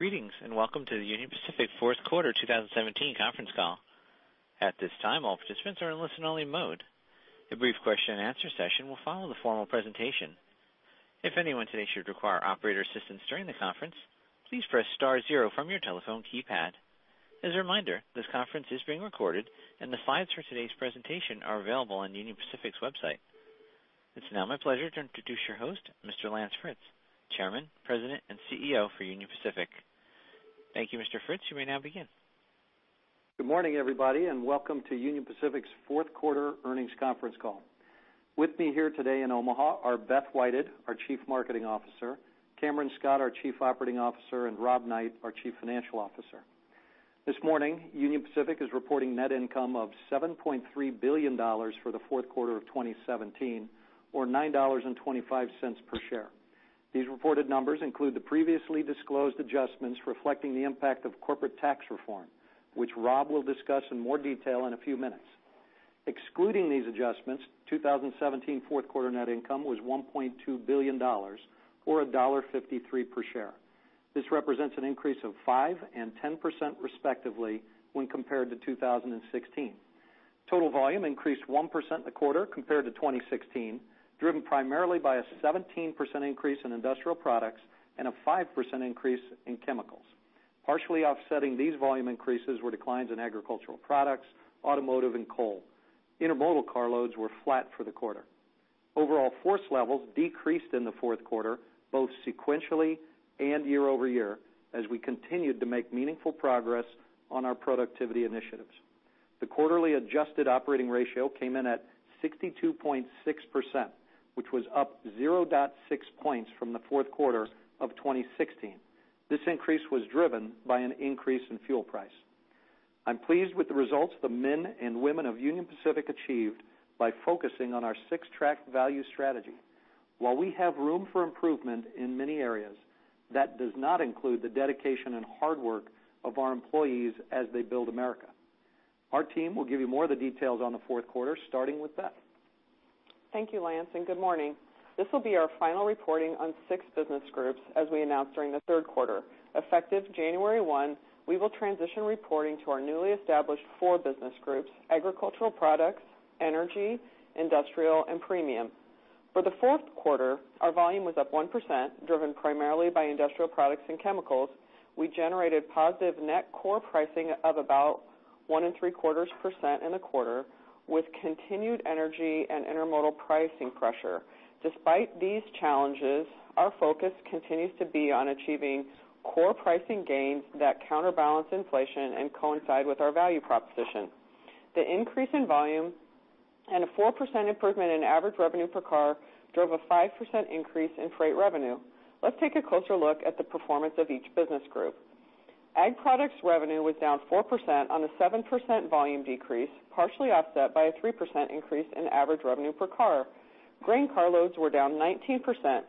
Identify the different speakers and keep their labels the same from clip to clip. Speaker 1: Greetings, welcome to the Union Pacific fourth quarter 2017 conference call. At this time, all participants are in listen-only mode. A brief question-and-answer session will follow the formal presentation. If anyone today should require operator assistance during the conference, please press star zero from your telephone keypad. As a reminder, this conference is being recorded, and the slides for today's presentation are available on Union Pacific's website. It's now my pleasure to introduce your host, Mr. Lance Fritz, Chairman, President, and CEO for Union Pacific. Thank you, Mr. Fritz. You may now begin.
Speaker 2: Good morning, everybody, welcome to Union Pacific's fourth quarter earnings conference call. With me here today in Omaha are Beth Whited, our Chief Marketing Officer; Cameron Scott, our Chief Operating Officer; and Rob Knight, our Chief Financial Officer. This morning, Union Pacific is reporting net income of $7.3 billion for the fourth quarter of 2017, or $9.25 per share. These reported numbers include the previously disclosed adjustments reflecting the impact of corporate tax reform, which Rob will discuss in more detail in a few minutes. Excluding these adjustments, 2017 fourth-quarter net income was $1.2 billion, or $1.53 per share. This represents an increase of 5% and 10% respectively when compared to 2016. Total volume increased 1% in the quarter compared to 2016, driven primarily by a 17% increase in industrial products and a 5% increase in chemicals. Partially offsetting these volume increases were declines in agricultural products, automotive, and coal. Intermodal car loads were flat for the quarter. Overall force levels decreased in the fourth quarter, both sequentially and year-over-year, as we continued to make meaningful progress on our productivity initiatives. The quarterly adjusted operating ratio came in at 62.6%, which was up 0.6 points from the fourth quarter of 2016. This increase was driven by an increase in fuel price. I'm pleased with the results the men and women of Union Pacific achieved by focusing on our six-track value strategy. While we have room for improvement in many areas, that does not include the dedication and hard work of our employees as they build America. Our team will give you more of the details on the fourth quarter, starting with Beth.
Speaker 3: Thank you, Lance, good morning. This will be our final reporting on 6 business groups, as we announced during the third quarter. Effective January 1, we will transition reporting to our newly established 4 business groups: Agricultural Products, Energy, Industrial, and Premium. For the fourth quarter, our volume was up 1%, driven primarily by industrial products and chemicals. We generated positive net core pricing of about 1.75% in the quarter, with continued energy and intermodal pricing pressure. Despite these challenges, our focus continues to be on achieving core pricing gains that counterbalance inflation and coincide with our value proposition. The increase in volume and a 4% improvement in average revenue per car drove a 5% increase in freight revenue. Let's take a closer look at the performance of each business group. Ag products revenue was down 4% on a 7% volume decrease, partially offset by a 3% increase in average revenue per car. Grain car loads were down 19%,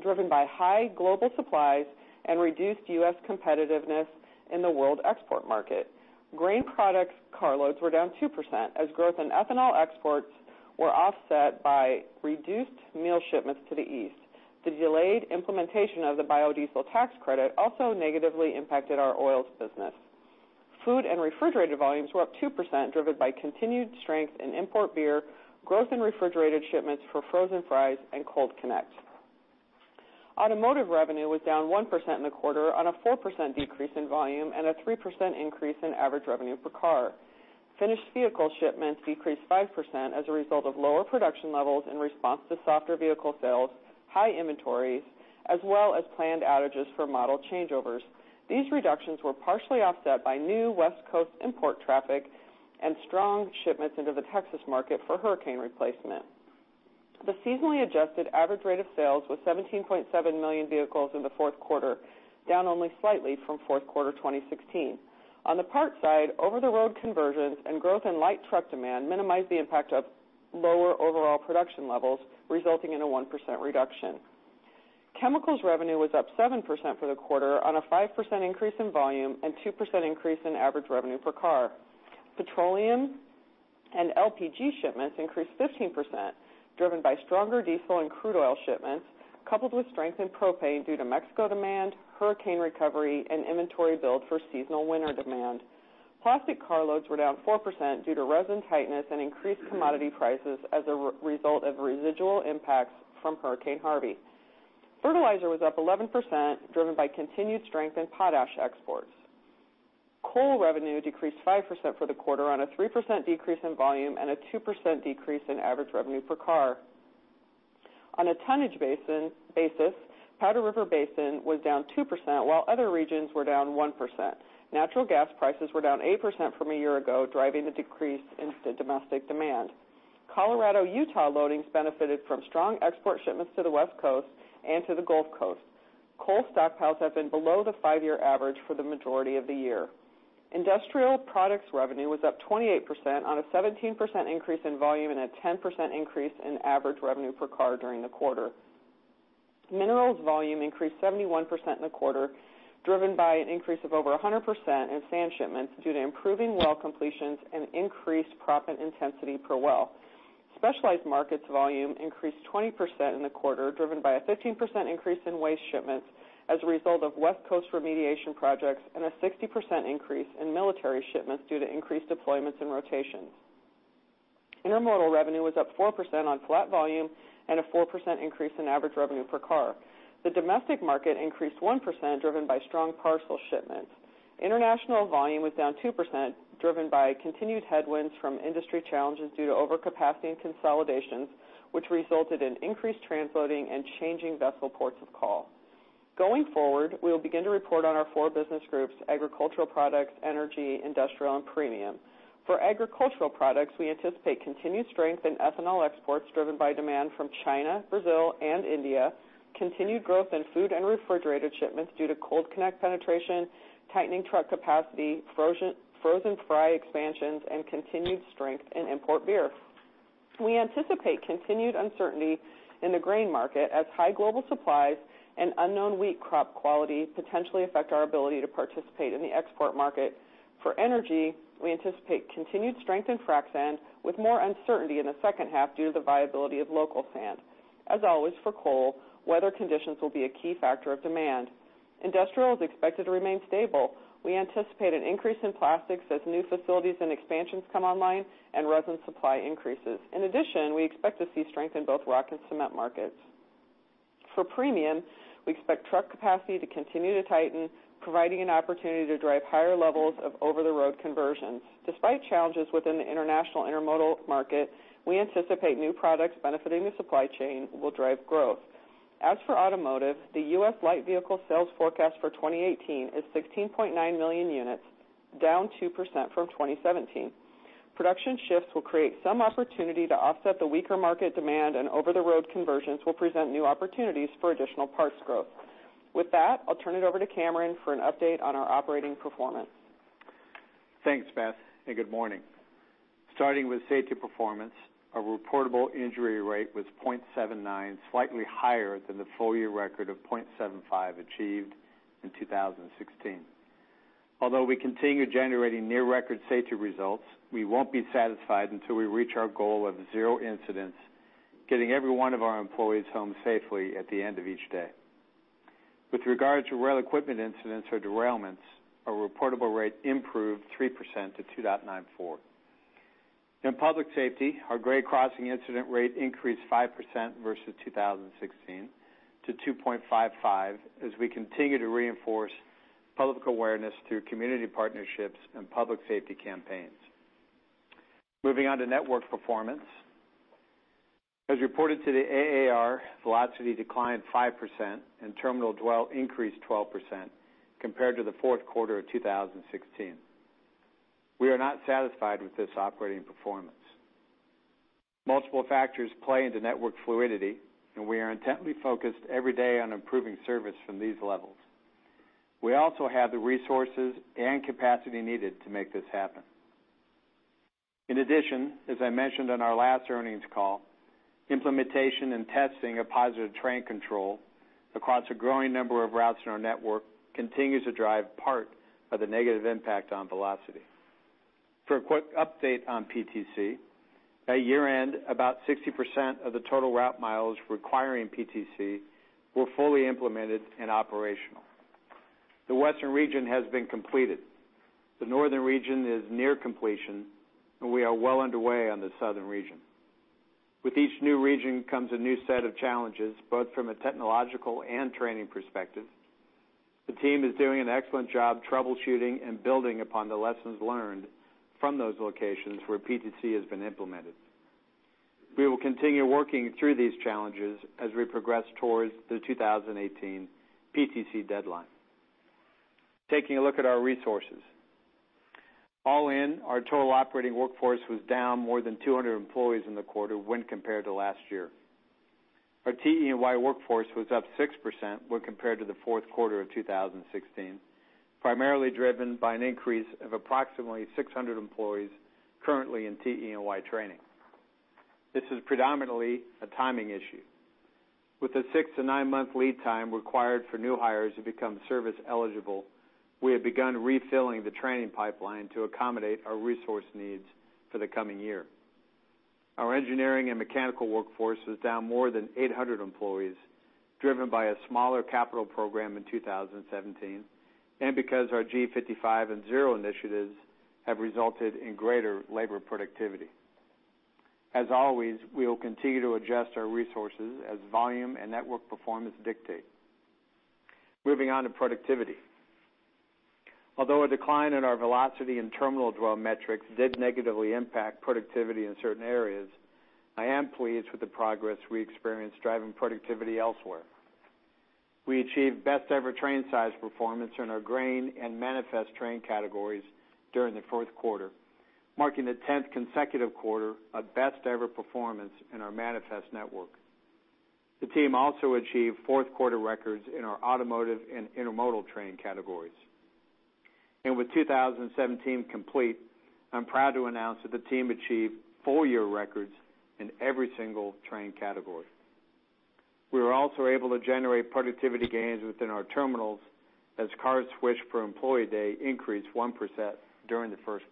Speaker 3: driven by high global supplies and reduced U.S. competitiveness in the world export market. Grain products car loads were down 2% as growth in ethanol exports were offset by reduced meal shipments to the East. The delayed implementation of the biodiesel tax credit also negatively impacted our oils business. Food and refrigerated volumes were up 2%, driven by continued strength in import beer, growth in refrigerated shipments for frozen fries, and Cold Connect. Automotive revenue was down 1% in the quarter on a 4% decrease in volume and a 3% increase in average revenue per car. Finished vehicle shipments decreased 5% as a result of lower production levels in response to softer vehicle sales, high inventories, as well as planned outages for model changeovers. These reductions were partially offset by new West Coast import traffic and strong shipments into the Texas market for hurricane replacement. The seasonally adjusted average rate of sales was 17.7 million vehicles in the fourth quarter, down only slightly from Q4 2016. On the parts side, over-the-road conversions and growth in light truck demand minimized the impact of lower overall production levels, resulting in a 1% reduction. Chemicals revenue was up 7% for the quarter on a 5% increase in volume and 2% increase in average revenue per car. Petroleum and LPG shipments increased 15%, driven by stronger diesel and crude oil shipments, coupled with strength in propane due to Mexico demand, hurricane recovery, and inventory build for seasonal winter demand. Plastic car loads were down 4% due to resin tightness and increased commodity prices as a result of residual impacts from Hurricane Harvey. Fertilizer was up 11%, driven by continued strength in potash exports. Coal revenue decreased 5% for the quarter on a 3% decrease in volume and a 2% decrease in average revenue per car. On a tonnage basis, Powder River Basin was down 2%, while other regions were down 1%. Natural gas prices were down 8% from a year ago, driving the decrease in domestic demand. Colorado-Utah loadings benefited from strong export shipments to the West Coast and to the Gulf Coast. Coal stockpiles have been below the five-year average for the majority of the year. Industrial products revenue was up 28% on a 17% increase in volume and a 10% increase in average revenue per car during the quarter. Minerals volume increased 71% in the quarter, driven by an increase of over 100% in sand shipments due to improving well completions and increased proppant intensity per well. Specialized markets volume increased 20% in the quarter, driven by a 15% increase in waste shipments as a result of West Coast remediation projects and a 60% increase in military shipments due to increased deployments and rotations. Intermodal revenue was up 4% on flat volume and a 4% increase in average revenue per car. The domestic market increased 1%, driven by strong parcel shipments. International volume was down 2%, driven by continued headwinds from industry challenges due to overcapacity and consolidations, which resulted in increased transloading and changing vessel ports of call. Going forward, we will begin to report on our four business groups, Agricultural Products, Energy, Industrial, and Premium. For agricultural products, we anticipate continued strength in ethanol exports driven by demand from China, Brazil, and India, continued growth in food and refrigerated shipments due to Cold Connect penetration, tightening truck capacity, frozen fry expansions, and continued strength in import beer. We anticipate continued uncertainty in the grain market as high global supplies and unknown wheat crop quality potentially affect our ability to participate in the export market. For energy, we anticipate continued strength in frac sand, with more uncertainty in the second half due to the viability of local sand. As always for coal, weather conditions will be a key factor of demand. Industrial is expected to remain stable. We anticipate an increase in plastics as new facilities and expansions come online and resin supply increases. In addition, we expect to see strength in both rock and cement markets. For premium, we expect truck capacity to continue to tighten, providing an opportunity to drive higher levels of over-the-road conversions. Despite challenges within the international intermodal market, we anticipate new products benefiting the supply chain will drive growth. As for automotive, the U.S. light vehicle sales forecast for 2018 is 16.9 million units, down 2% from 2017. Production shifts will create some opportunity to offset the weaker market demand. Over-the-road conversions will present new opportunities for additional parts growth. With that, I'll turn it over to Cameron for an update on our operating performance.
Speaker 4: Thanks, Beth. Good morning. Starting with safety performance, our reportable injury rate was 0.79, slightly higher than the full-year record of 0.75 achieved in 2016. Although we continue generating near-record safety results, we won't be satisfied until we reach our goal of zero incidents, getting every one of our employees home safely at the end of each day. With regards to rail equipment incidents or derailments, our reportable rate improved 3% to 2.94. In public safety, our grade crossing incident rate increased 5% versus 2016 to 2.55 as we continue to reinforce public awareness through community partnerships and public safety campaigns. Moving on to network performance. As reported to the AAR, velocity declined 5% and terminal dwell increased 12% compared to the fourth quarter of 2016. We are not satisfied with this operating performance. Multiple factors play into network fluidity. We are intently focused every day on improving service from these levels. We also have the resources and capacity needed to make this happen. In addition, as I mentioned on our last earnings call, implementation and testing of Positive Train Control across a growing number of routes in our network continues to drive part of the negative impact on velocity. For a quick update on PTC, at year-end, about 60% of the total route miles requiring PTC were fully implemented and operational. The Western region has been completed. The Northern region is near completion. We are well underway on the Southern region. With each new region comes a new set of challenges, both from a technological and training perspective. The team is doing an excellent job troubleshooting and building upon the lessons learned from those locations where PTC has been implemented. We will continue working through these challenges as we progress towards the 2018 PTC deadline. Taking a look at our resources. All in, our total operating workforce was down more than 200 employees in the quarter when compared to last year. Our TE&Y workforce was up 6% when compared to the fourth quarter of 2016, primarily driven by an increase of approximately 600 employees currently in TE&Y training. This is predominantly a timing issue. With the six- to nine-month lead time required for new hires to become service eligible, we have begun refilling the training pipeline to accommodate our resource needs for the coming year. Our engineering and mechanical workforce was down more than 800 employees, driven by a smaller capital program in 2017 and because our G55 + 0 initiatives have resulted in greater labor productivity. As always, we will continue to adjust our resources as volume and network performance dictate. Moving on to productivity. Although a decline in our velocity and terminal dwell metrics did negatively impact productivity in certain areas, I am pleased with the progress we experienced driving productivity elsewhere. We achieved best-ever train size performance in our grain and manifest train categories during the fourth quarter, marking the 10th consecutive quarter of best-ever performance in our manifest network. The team also achieved fourth-quarter records in our automotive and intermodal train categories. With 2017 complete, I'm proud to announce that the team achieved full-year records in every single train category. We were also able to generate productivity gains within our terminals as cars switched for employee day increased 1% during the fourth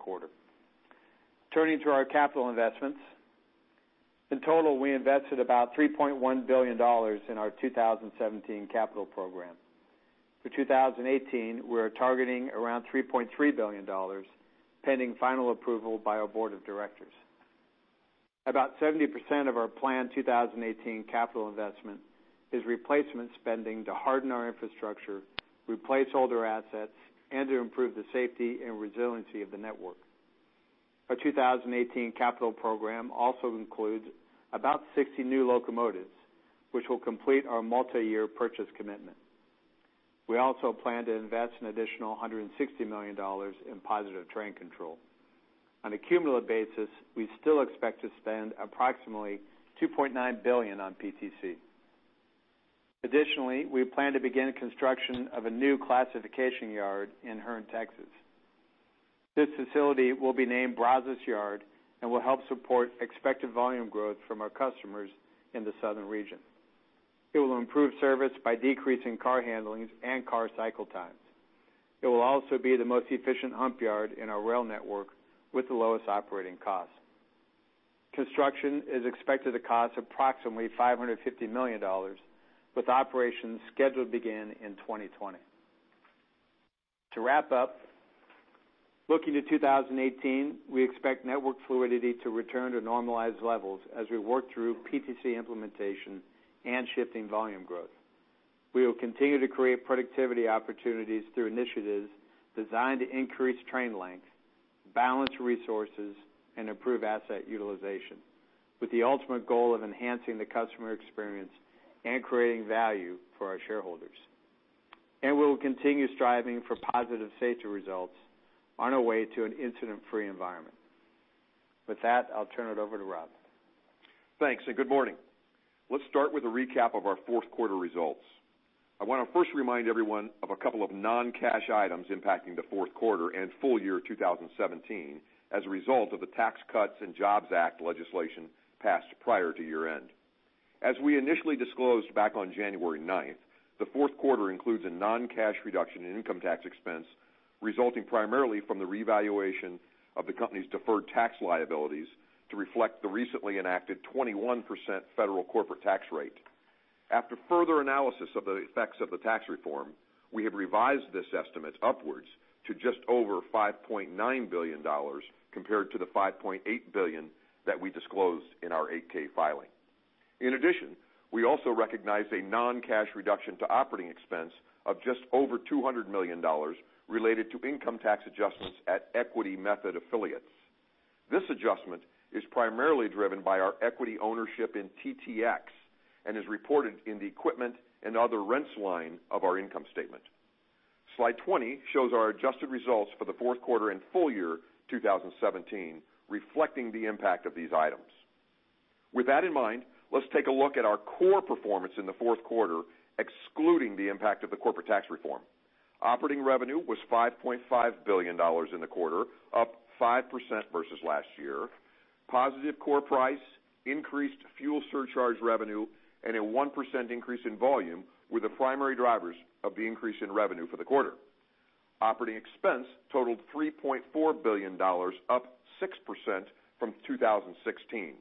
Speaker 4: quarter. Turning to our capital investments. In total, we invested about $3.1 billion in our 2017 capital program. For 2018, we are targeting around $3.3 billion, pending final approval by our board of directors. About 70% of our planned 2018 capital investment is replacement spending to harden our infrastructure, replace older assets, and to improve the safety and resiliency of the network. Our 2018 capital program also includes about 60 new locomotives, which will complete our multi-year purchase commitment. We also plan to invest an additional $160 million in Positive Train Control. On a cumulative basis, we still expect to spend approximately $2.9 billion on PTC. Additionally, we plan to begin construction of a new classification yard in Hearne, Texas. This facility will be named Brazos Yard and will help support expected volume growth from our customers in the southern region. It will improve service by decreasing car handlings and car cycle times. It will also be the most efficient hump yard in our rail network with the lowest operating cost. Construction is expected to cost approximately $550 million, with operations scheduled to begin in 2020. To wrap up, looking to 2018, we expect network fluidity to return to normalized levels as we work through PTC implementation and shifting volume growth. We will continue to create productivity opportunities through initiatives designed to increase train length, balance resources, and improve asset utilization, with the ultimate goal of enhancing the customer experience and creating value for our shareholders. We will continue striving for positive safety results on our way to an incident-free environment. With that, I'll turn it over to Rob.
Speaker 5: Thanks, good morning. Let's start with a recap of our fourth quarter results. I want to first remind everyone of a couple of non-cash items impacting the fourth quarter and full year 2017 as a result of the Tax Cuts and Jobs Act legislation passed prior to year-end. As we initially disclosed back on January 9th, the fourth quarter includes a non-cash reduction in income tax expense, resulting primarily from the revaluation of the company's deferred tax liabilities to reflect the recently enacted 21% federal corporate tax rate. After further analysis of the effects of the tax reform, we have revised this estimate upwards to just over $5.9 billion compared to the $5.8 billion that we disclosed in our 8-K filing. In addition, we also recognized a non-cash reduction to operating expense of just over $200 million related to income tax adjustments at equity method affiliates. This adjustment is primarily driven by our equity ownership in TTX and is reported in the equipment and other rents line of our income statement. Slide 20 shows our adjusted results for the fourth quarter and full year 2017, reflecting the impact of these items. With that in mind, let's take a look at our core performance in the fourth quarter, excluding the impact of the corporate tax reform. Operating revenue was $5.5 billion in the quarter, up 5% versus last year. Positive core price, increased fuel surcharge revenue, and a 1% increase in volume were the primary drivers of the increase in revenue for the quarter. Operating expense totaled $3.4 billion, up 6% from 2016.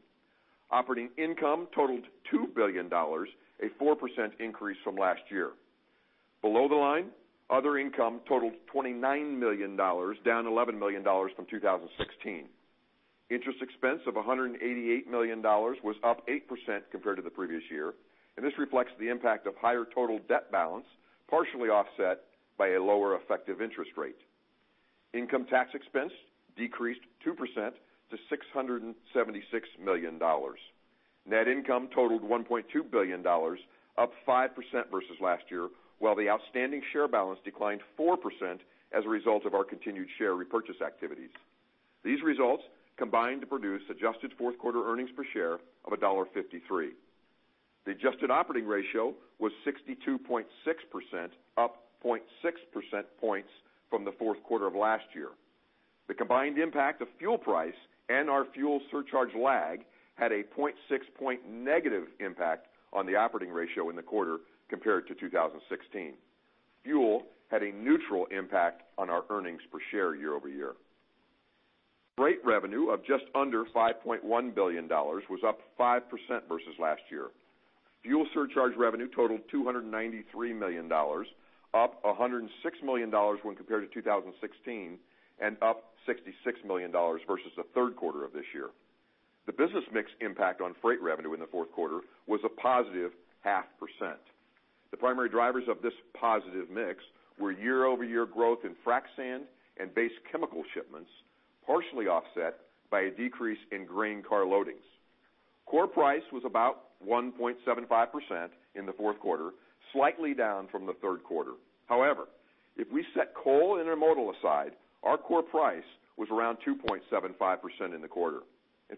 Speaker 5: Operating income totaled $2 billion, a 4% increase from last year. Below the line, other income totaled $29 million, down $11 million from 2016. Interest expense of $188 million was up 8% compared to the previous year. This reflects the impact of higher total debt balance, partially offset by a lower effective interest rate. Income tax expense decreased 2% to $676 million. Net income totaled $1.2 billion, up 5% versus last year, while the outstanding share balance declined 4% as a result of our continued share repurchase activities. These results combined to produce adjusted fourth-quarter earnings per share of $1.53. The adjusted operating ratio was 62.6%, up 0.6 percentage points from the fourth quarter of last year. The combined impact of fuel price and our fuel surcharge lag had a 0.6 percentage point negative impact on the operating ratio in the quarter compared to 2016. Fuel had a neutral impact on our earnings per share year-over-year. Freight revenue of just under $5.1 billion was up 5% versus last year. Fuel surcharge revenue totaled $293 million, up $106 million when compared to 2016. Up $66 million versus the third quarter of this year. The business mix impact on freight revenue in the fourth quarter was a positive half percent. The primary drivers of this positive mix were year-over-year growth in frac sand and base chemical shipments, partially offset by a decrease in grain car loadings. Core price was about 1.75% in the fourth quarter, slightly down from the third quarter. However, if we set coal and intermodal aside, our core price was around 2.75% in the quarter.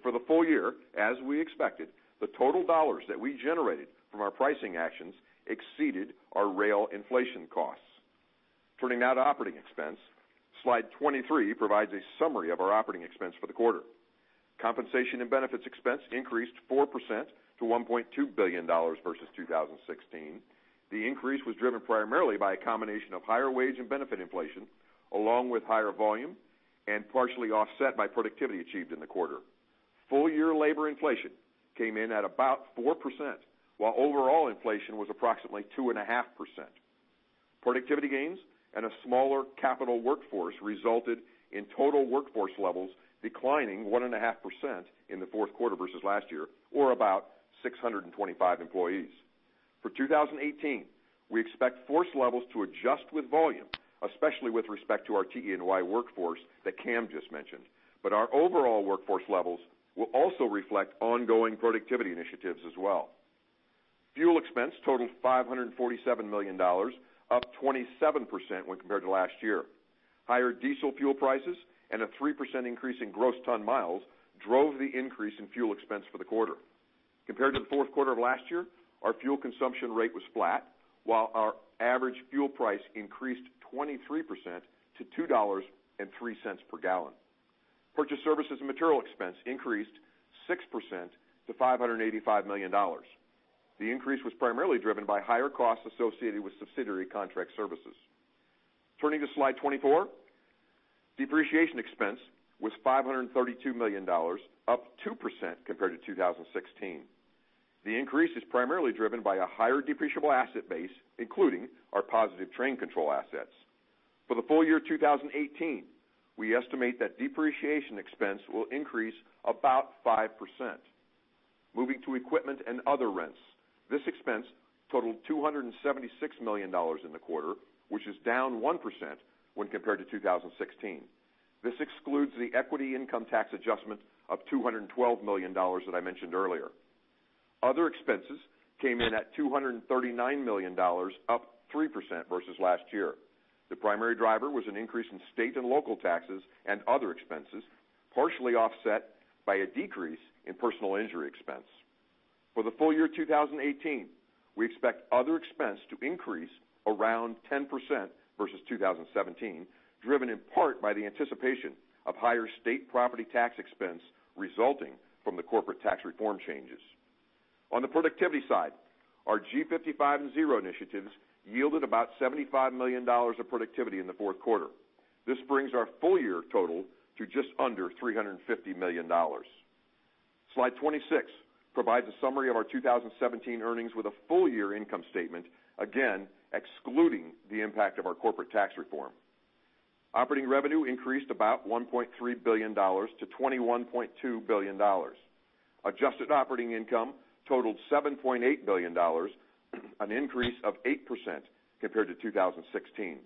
Speaker 5: For the full year, as we expected, the total dollars that we generated from our pricing actions exceeded our rail inflation costs. Turning now to operating expense. Slide 23 provides a summary of our operating expense for the quarter. Compensation and benefits expense increased 4% to $1.2 billion versus 2016. The increase was driven primarily by a combination of higher wage and benefit inflation, along with higher volume, and partially offset by productivity achieved in the quarter. Full year labor inflation came in at about 4%, while overall inflation was approximately 2.5%. Productivity gains and a smaller capital workforce resulted in total workforce levels declining 1.5% in the fourth quarter versus last year, or about 625 employees. For 2018, we expect force levels to adjust with volume, especially with respect to our TE&Y workforce that Cam just mentioned. Our overall workforce levels will also reflect ongoing productivity initiatives as well. Fuel expense totaled $547 million, up 27% when compared to last year. Higher diesel fuel prices and a 3% increase in gross ton miles drove the increase in fuel expense for the quarter. Compared to the fourth quarter of last year, our fuel consumption rate was flat, while our average fuel price increased 23% to $2.03 per gallon. Purchased services and material expense increased 6% to $585 million. The increase was primarily driven by higher costs associated with subsidiary contract services. Turning to Slide 24. Depreciation expense was $532 million, up 2% compared to 2016. The increase is primarily driven by a higher depreciable asset base, including our Positive Train Control assets. For the full year 2018, we estimate that depreciation expense will increase about 5%. Moving to equipment and other rents. This expense totaled $276 million in the quarter, which is down 1% when compared to 2016. This excludes the equity income tax adjustment of $212 million that I mentioned earlier. Other expenses came in at $239 million, up 3% versus last year. The primary driver was an increase in state and local taxes and other expenses, partially offset by a decrease in personal injury expense. For the full year 2018, we expect other expense to increase around 10% versus 2017, driven in part by the anticipation of higher state property tax expense resulting from the corporate tax reform changes. On the productivity side, our G55 + 0 initiatives yielded about $75 million of productivity in the fourth quarter. This brings our full year total to just under $350 million. Slide 26 provides a summary of our 2017 earnings with a full year income statement, again, excluding the impact of our corporate tax reform. Operating revenue increased about $1.3 billion to $21.2 billion. Adjusted operating income totaled $7.8 billion, an increase of 8% compared to 2016.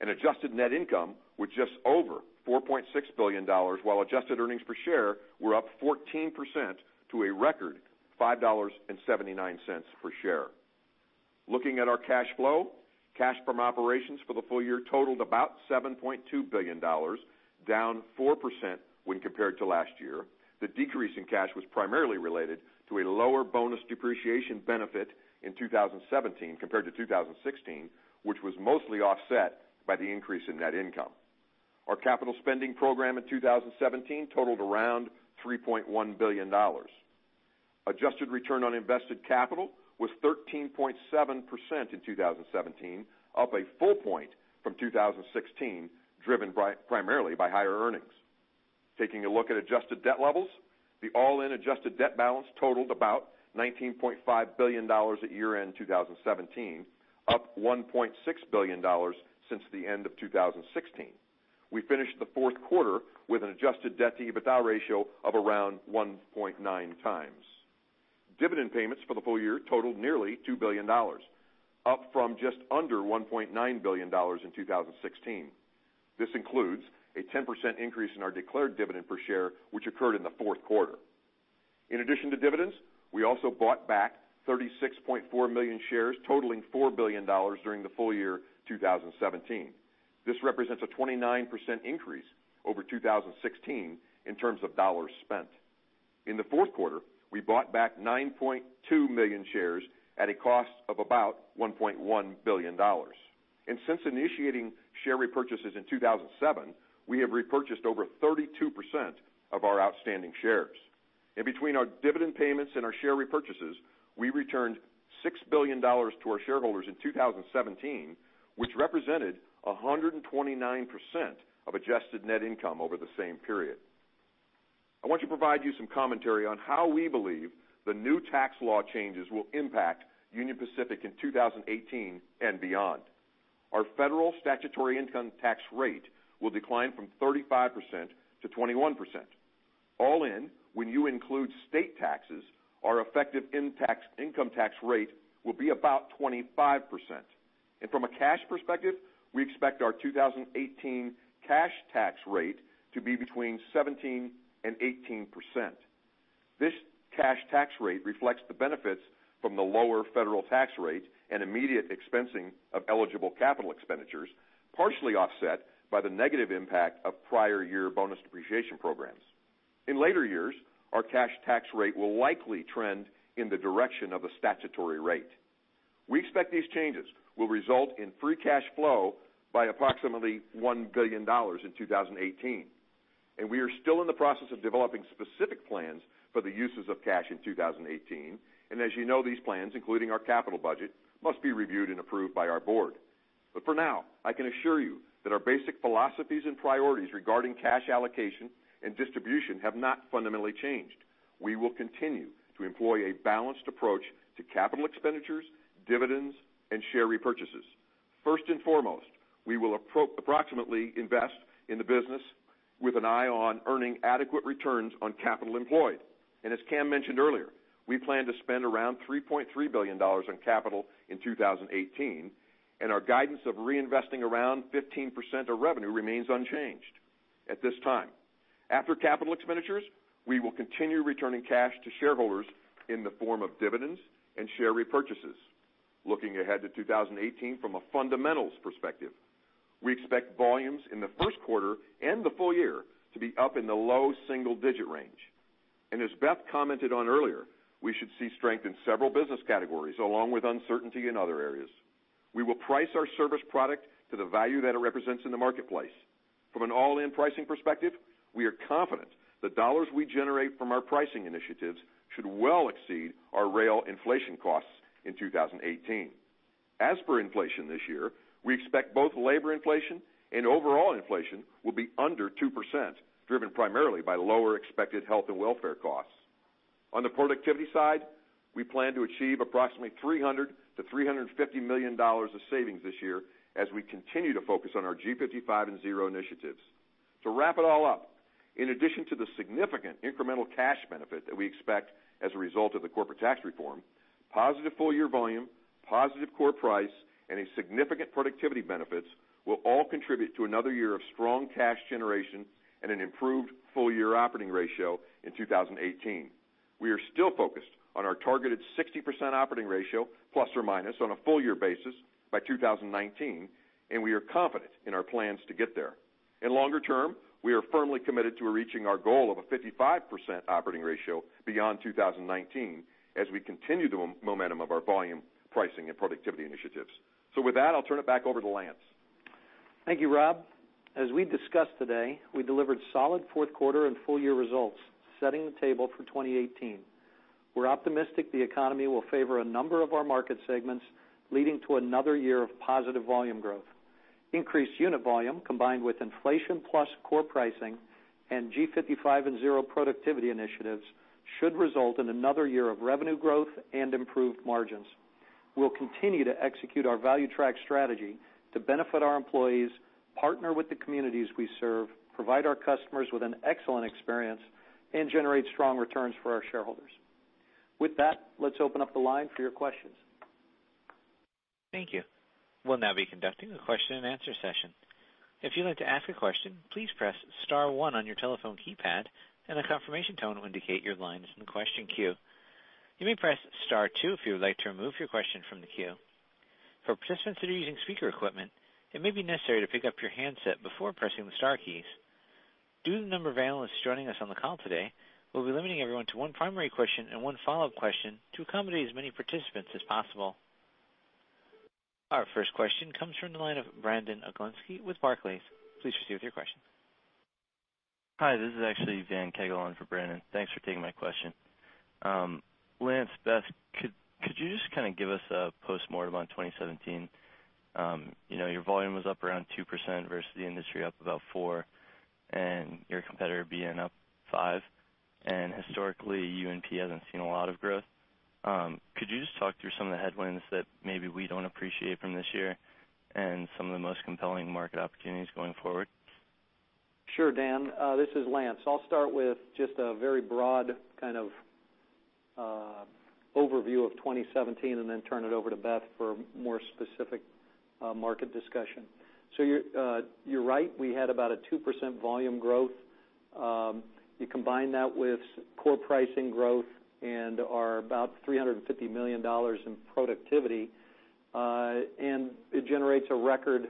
Speaker 5: Adjusted net income was just over $4.6 billion, while adjusted earnings per share were up 14% to a record $5.79 per share. Looking at our cash flow, cash from operations for the full year totaled about $7.2 billion, down 4% when compared to last year. The decrease in cash was primarily related to a lower bonus depreciation benefit in 2017 compared to 2016, which was mostly offset by the increase in net income. Our capital spending program in 2017 totaled around $3.1 billion. Adjusted return on invested capital was 13.7% in 2017, up a full point from 2016, driven primarily by higher earnings. Taking a look at adjusted debt levels, the all-in adjusted debt balance totaled about $19.5 billion at year-end 2017, up $1.6 billion since the end of 2016. We finished the fourth quarter with an adjusted debt-to-EBITDA ratio of around 1.9 times. Dividend payments for the full year totaled nearly $2 billion, up from just under $1.9 billion in 2016. This includes a 10% increase in our declared dividend per share, which occurred in the fourth quarter. In addition to dividends, we also bought back 36.4 million shares totaling $4 billion during the full year 2017. This represents a 29% increase over 2016 in terms of dollars spent. In the fourth quarter, we bought back 9.2 million shares at a cost of about $1.1 billion. Since initiating share repurchases in 2007, we have repurchased over 32% of our outstanding shares. Between our dividend payments and our share repurchases, we returned $6 billion to our shareholders in 2017, which represented 129% of adjusted net income over the same period. I want to provide you some commentary on how we believe the new tax law changes will impact Union Pacific in 2018 and beyond. Our federal statutory income tax rate will decline from 35% to 21%. All in, when you include state taxes, our effective income tax rate will be about 25%. From a cash perspective, we expect our 2018 cash tax rate to be between 17% and 18%. This cash tax rate reflects the benefits from the lower federal tax rate and immediate expensing of eligible capital expenditures partially offset by the negative impact of prior year bonus depreciation programs. In later years, our cash tax rate will likely trend in the direction of a statutory rate. We expect these changes will result in free cash flow by approximately $1 billion in 2018. We are still in the process of developing specific plans for the uses of cash in 2018, and as you know, these plans, including our capital budget, must be reviewed and approved by our board. For now, I can assure you that our basic philosophies and priorities regarding cash allocation and distribution have not fundamentally changed. We will continue to employ a balanced approach to capital expenditures, dividends, and share repurchases. First and foremost, we will appropriately invest in the business with an eye on earning adequate returns on capital employed. As Cam mentioned earlier, we plan to spend around $3.3 billion on capital in 2018, and our guidance of reinvesting around 15% of revenue remains unchanged at this time. After capital expenditures, we will continue returning cash to shareholders in the form of dividends and share repurchases. Looking ahead to 2018 from a fundamentals perspective, we expect volumes in the first quarter and the full year to be up in the low single-digit range. As Beth commented on earlier, we should see strength in several business categories, along with uncertainty in other areas. We will price our service product to the value that it represents in the marketplace. From an all-in pricing perspective, we are confident the dollars we generate from our pricing initiatives should well exceed our rail inflation costs in 2018. As for inflation this year, we expect both labor inflation and overall inflation will be under 2%, driven primarily by lower expected health and welfare costs. On the productivity side, we plan to achieve $300 million-$350 million of savings this year as we continue to focus on our G55 + 0 initiatives. To wrap it all up, in addition to the significant incremental cash benefit that we expect as a result of the corporate tax reform, positive full-year volume, positive core price, and a significant productivity benefits will all contribute to another year of strong cash generation and an improved full-year operating ratio in 2018. We are still focused on our targeted 60% operating ratio, plus or minus on a full-year basis by 2019, and we are confident in our plans to get there. Longer term, we are firmly committed to reaching our goal of a 55% operating ratio beyond 2019 as we continue the momentum of our volume, pricing, and productivity initiatives. With that, I'll turn it back over to Lance.
Speaker 2: Thank you, Rob. As we discussed today, we delivered solid fourth quarter and full-year results, setting the table for 2018. We're optimistic the economy will favor a number of our market segments, leading to another year of positive volume growth. Increased unit volume, combined with inflation plus core pricing and G55 + 0 productivity initiatives, should result in another year of revenue growth and improved margins. We'll continue to execute our Value Track strategy to benefit our employees, partner with the communities we serve, provide our customers with an excellent experience, and generate strong returns for our shareholders. With that, let's open up the line for your questions.
Speaker 1: Thank you. We'll now be conducting a question and answer session. If you'd like to ask a question, please press *1 on your telephone keypad and a confirmation tone will indicate your line is in the question queue. You may press *2 if you would like to remove your question from the queue. For participants that are using speaker equipment, it may be necessary to pick up your handset before pressing the star keys. Due to the number of analysts joining us on the call today, we'll be limiting everyone to one primary question and one follow-up question to accommodate as many participants as possible. Our first question comes from the line of Brandon Oglenski with Barclays. Please proceed with your question.
Speaker 6: Hi, this is actually Dan Cagle on for Brandon. Thanks for taking my question. Lance, Beth, could you just kind of give us a postmortem on 2017? Your volume was up around 2% versus the industry up about 4%, and your competitor, BN, up 5%. Historically, UNP hasn't seen a lot of growth. Could you just talk through some of the headwinds that maybe we don't appreciate from this year and some of the most compelling market opportunities going forward?
Speaker 2: Sure, Dan. This is Lance. I'll start with just a very broad kind of overview of 2017 and then turn it over to Beth for more specific market discussion. You're right. We had about a 2% volume growth. You combine that with core pricing growth and our about $350 million in productivity, and it generates a record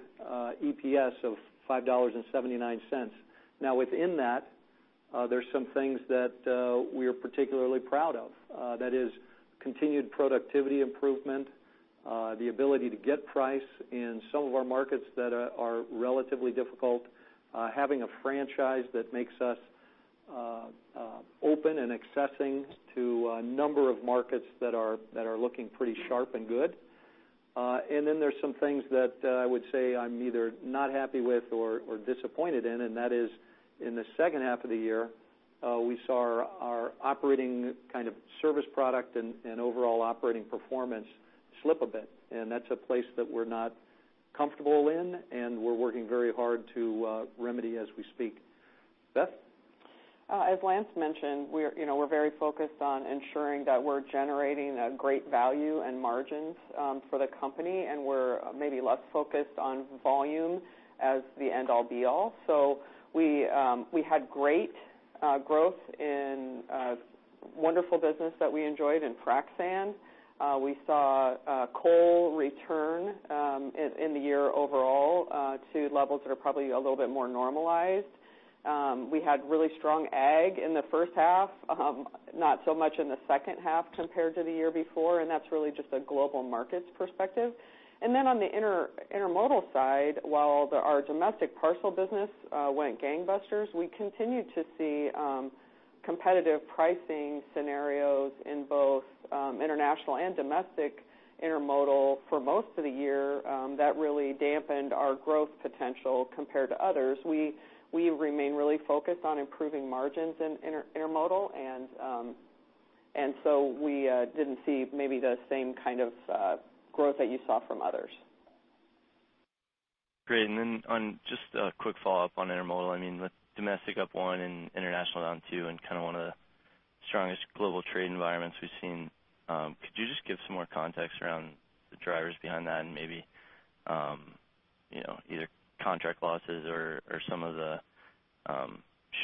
Speaker 2: EPS of $5.79. Within that, there's some things that we are particularly proud of. That is continued productivity improvement, the ability to get price in some of our markets that are relatively difficult, having a franchise that makes us open and accessing to a number of markets that are looking pretty sharp and good. There's some things that I would say I'm either not happy with or disappointed in, and that is in the second half of the year, we saw our operating kind of service product and overall operating performance slip a bit. That's a place that we're not comfortable in, and we're working very hard to remedy as we speak. Beth?
Speaker 3: As Lance mentioned, we're very focused on ensuring that we're generating a great value and margins for the company, and we're maybe less focused on volume as the end all be all. We had great growth in wonderful business that we enjoyed in frac sand. We saw coal return in the year overall to levels that are probably a little bit more normalized. We had really strong ag in the first half, not so much in the second half compared to the year before, and that's really just a global markets perspective. On the intermodal side, while our domestic parcel business went gangbusters, we continued to see competitive pricing scenarios in both international and domestic intermodal for most of the year. That really dampened our growth potential compared to others. We remain really focused on improving margins in intermodal, we didn't see maybe the same kind of growth that you saw from others.
Speaker 6: Great. Just a quick follow-up on intermodal. With domestic up one and international down two and one of the strongest global trade environments we've seen, could you just give some more context around the drivers behind that and maybe either contract losses or some of the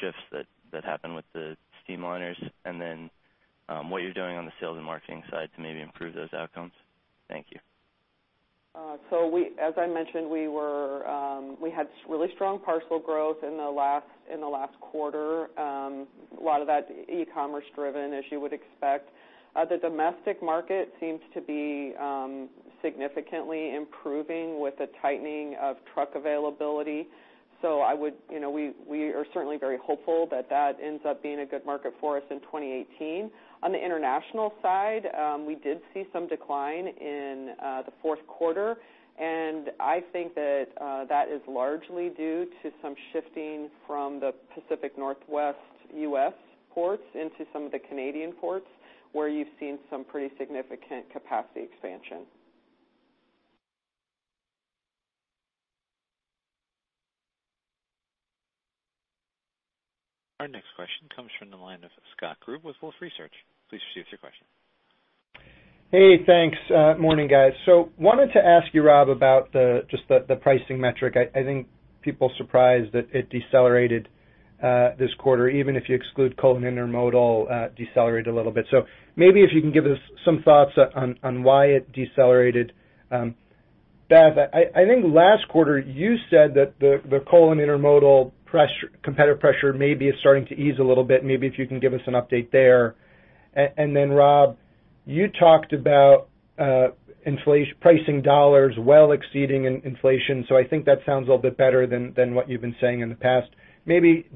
Speaker 6: shifts that happened with the streamliners? What you're doing on the sales and marketing side to maybe improve those outcomes. Thank you.
Speaker 3: As I mentioned, we had really strong parcel growth in the last quarter. A lot of that, e-commerce driven, as you would expect. The domestic market seems to be significantly improving with the tightening of truck availability. We are certainly very hopeful that that ends up being a good market for us in 2018. On the international side, we did see some decline in the fourth quarter, and I think that is largely due to some shifting from the Pacific Northwest U.S. ports into some of the Canadian ports, where you've seen some pretty significant capacity expansion.
Speaker 1: Our next question comes from the line of Scott Group with Wolfe Research. Please proceed with your question.
Speaker 7: Hey, thanks. Morning, guys. Wanted to ask you, Rob, about just the pricing metric. I think people are surprised that it decelerated this quarter, even if you exclude coal and intermodal, decelerated a little bit. Maybe if you can give us some thoughts on why it decelerated. Beth, I think last quarter, you said that the coal and intermodal competitive pressure maybe is starting to ease a little bit. Maybe if you can give us an update there. Rob, you talked about pricing dollars well exceeding inflation. I think that sounds a little bit better than what you've been saying in the past. Maybe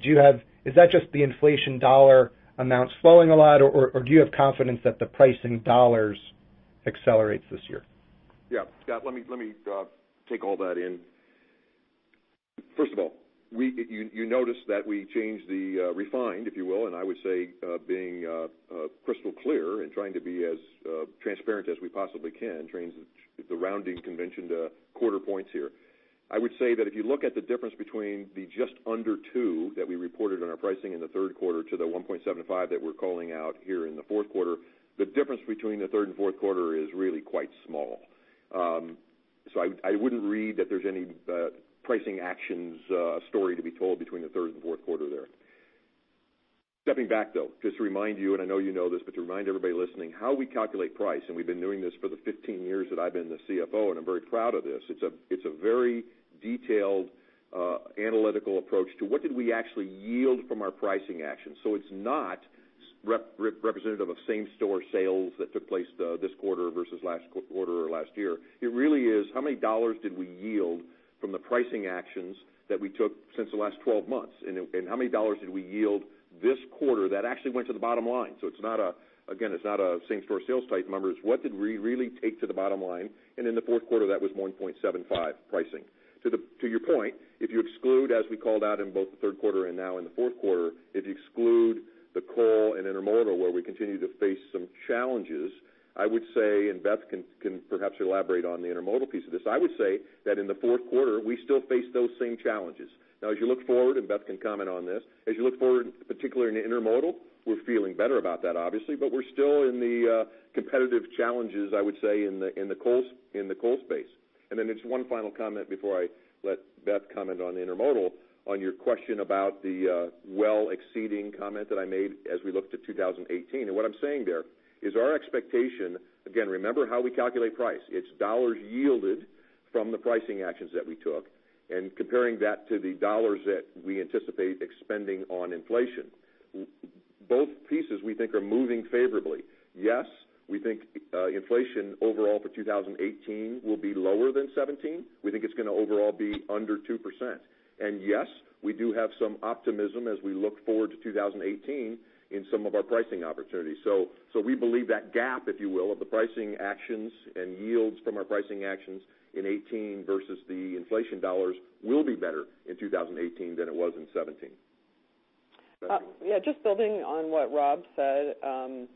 Speaker 7: is that just the inflation dollar amounts flowing a lot, or do you have confidence that the pricing dollars accelerates this year?
Speaker 5: Scott, let me take all that in. First of all, you notice that we changed the refined, if you will, and I would say being crystal clear in trying to be as transparent as we possibly can, changed the rounding convention to quarter points here. I would say that if you look at the difference between the just under 2% that we reported on our pricing in the third quarter to the 1.75% that we're calling out here in the fourth quarter, the difference between the third and fourth quarter is really quite small. I wouldn't read that there's any pricing actions story to be told between the third and fourth quarter there. Stepping back, though, just to remind you, and I know you know this, but to remind everybody listening how we calculate price, and we've been doing this for the 15 years that I've been the CFO, and I'm very proud of this. It's a very detailed, analytical approach to what did we actually yield from our pricing actions. It's not representative of same-store sales that took place this quarter versus last quarter or last year. It really is how many dollars did we yield from the pricing actions that we took since the last 12 months, and how many dollars did we yield this quarter that actually went to the bottom line. Again, it's not a same-store sales type number. It's what did we really take to the bottom line, and in the fourth quarter, that was 1.75% pricing. To your point, if you exclude, as we called out in both the third quarter and now in the fourth quarter, if you exclude the coal and intermodal, where we continue to face some challenges, I would say, and Beth can perhaps elaborate on the intermodal piece of this, I would say that in the fourth quarter, we still face those same challenges. As you look forward, and Beth can comment on this, as you look forward, particularly in the intermodal, we're feeling better about that, obviously. We're still in the competitive challenges, I would say, in the coal space. Just one final comment before I let Beth comment on the intermodal, on your question about the well-exceeding comment that I made as we looked to 2018. What I'm saying there is our expectation, again, remember how we calculate price. It's dollars yielded from the pricing actions that we took, and comparing that to the dollars that we anticipate expending on inflation. Both pieces, we think, are moving favorably. Yes, we think inflation overall for 2018 will be lower than 2017. We think it's going to overall be under 2%. Yes, we do have some optimism as we look forward to 2018 in some of our pricing opportunities. We believe that gap, if you will, of the pricing actions and yields from our pricing actions in 2018 versus the inflation dollars will be better in 2018 than it was in 2017. Beth.
Speaker 3: Yeah, just building on what Rob Knight said.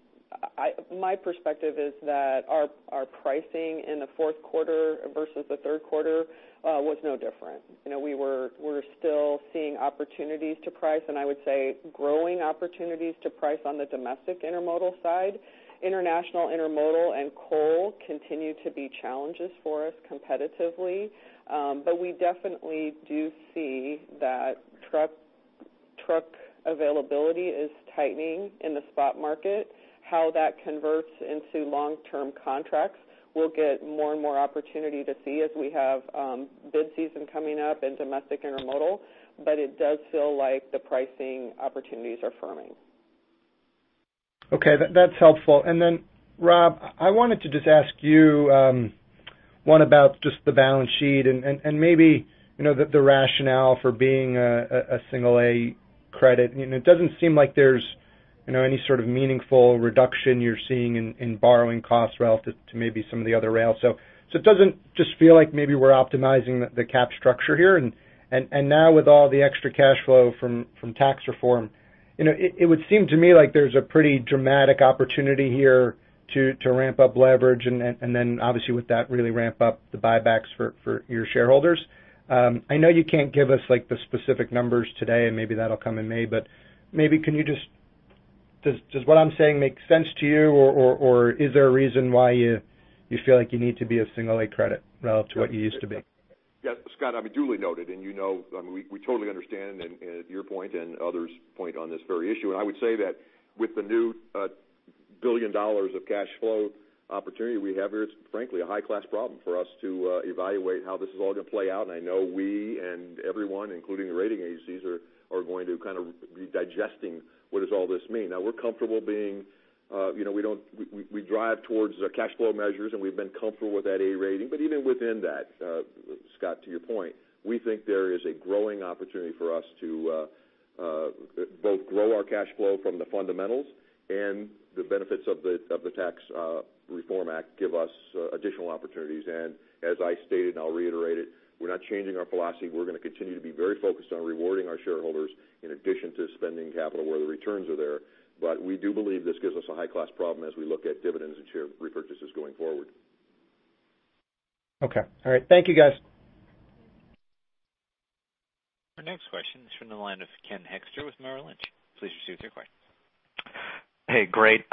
Speaker 3: My perspective is that our pricing in the fourth quarter versus the third quarter was no different. We're still seeing opportunities to price, and I would say growing opportunities to price on the domestic intermodal side. International intermodal and coal continue to be challenges for us competitively. We definitely do see that truck Truck availability is tightening in the spot market. How that converts into long-term contracts, we'll get more and more opportunity to see as we have bid season coming up in domestic intermodal, it does feel like the pricing opportunities are firming.
Speaker 7: Okay. That's helpful. Then Rob Knight, I wanted to just ask you, one about just the balance sheet and maybe the rationale for being a single A credit. It doesn't seem like there's any sort of meaningful reduction you're seeing in borrowing costs relative to maybe some of the other rails. It doesn't just feel like maybe we're optimizing the cap structure here, and now with all the extra cash flow from tax reform, it would seem to me like there's a pretty dramatic opportunity here to ramp up leverage and then obviously with that, really ramp up the buybacks for your shareholders. I know you can't give us the specific numbers today, and maybe that'll come in May, maybe can you Does what I'm saying make sense to you or is there a reason why you feel like you need to be a single A credit relative to what you used to be?
Speaker 5: Yeah, Scott, duly noted. We totally understand your point and others' point on this very issue. I would say that with the new $1 billion of cash flow opportunity we have here, it's frankly a high-class problem for us to evaluate how this is all going to play out. I know we and everyone, including the rating agencies, are going to be digesting what does all this mean. Now we're comfortable. We drive towards cash flow measures, and we've been comfortable with that A rating. Even within that, Scott, to your point, we think there is a growing opportunity for us to both grow our cash flow from the fundamentals and the benefits of the Tax Reform Act give us additional opportunities. As I stated, and I'll reiterate it, we're not changing our philosophy. We're going to continue to be very focused on rewarding our shareholders in addition to spending capital where the returns are there. We do believe this gives us a high-class problem as we look at dividends and share repurchases going forward.
Speaker 7: Okay. All right. Thank you, guys.
Speaker 1: Our next question is from the line of Ken Hoexter with Merrill Lynch. Please proceed with your question.
Speaker 8: Hey, great.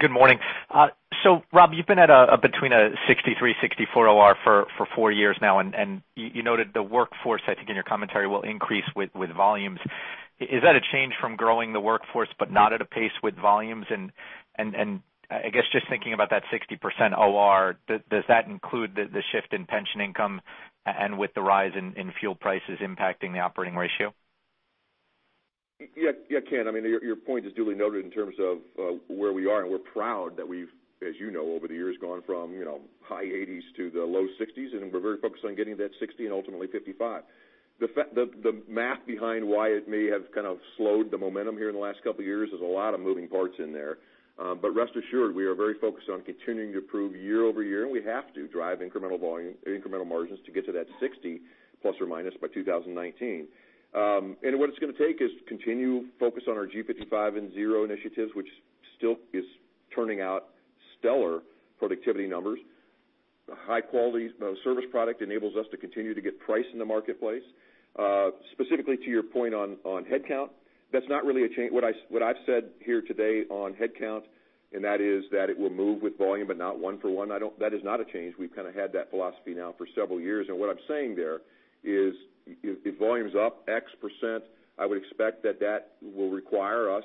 Speaker 8: Good morning. Rob, you've been at between a 63, 64 OR for four years now, and you noted the workforce, I think in your commentary, will increase with volumes. Is that a change from growing the workforce but not at a pace with volumes? I guess just thinking about that 60% OR, does that include the shift in pension income and with the rise in fuel prices impacting the operating ratio?
Speaker 5: Yeah, Ken, your point is duly noted in terms of where we are, and we're proud that we've, as you know, over the years, gone from high 80s to the low 60s, and we're very focused on getting to that 60 and ultimately 55. The math behind why it may have kind of slowed the momentum here in the last couple of years, there's a lot of moving parts in there. Rest assured, we are very focused on continuing to improve year-over-year, and we have to drive incremental volume, incremental margins to get to that 60 plus or minus by 2019. What it's going to take is to continue focus on our G55 + 0 initiatives, which still is turning out stellar productivity numbers. High quality service product enables us to continue to get price in the marketplace. Specifically to your point on headcount, that's not really a change. What I've said here today on headcount, and that is that it will move with volume, but not one for one. That is not a change. We've kind of had that philosophy now for several years. What I'm saying there is if volume is up X%, I would expect that will require us,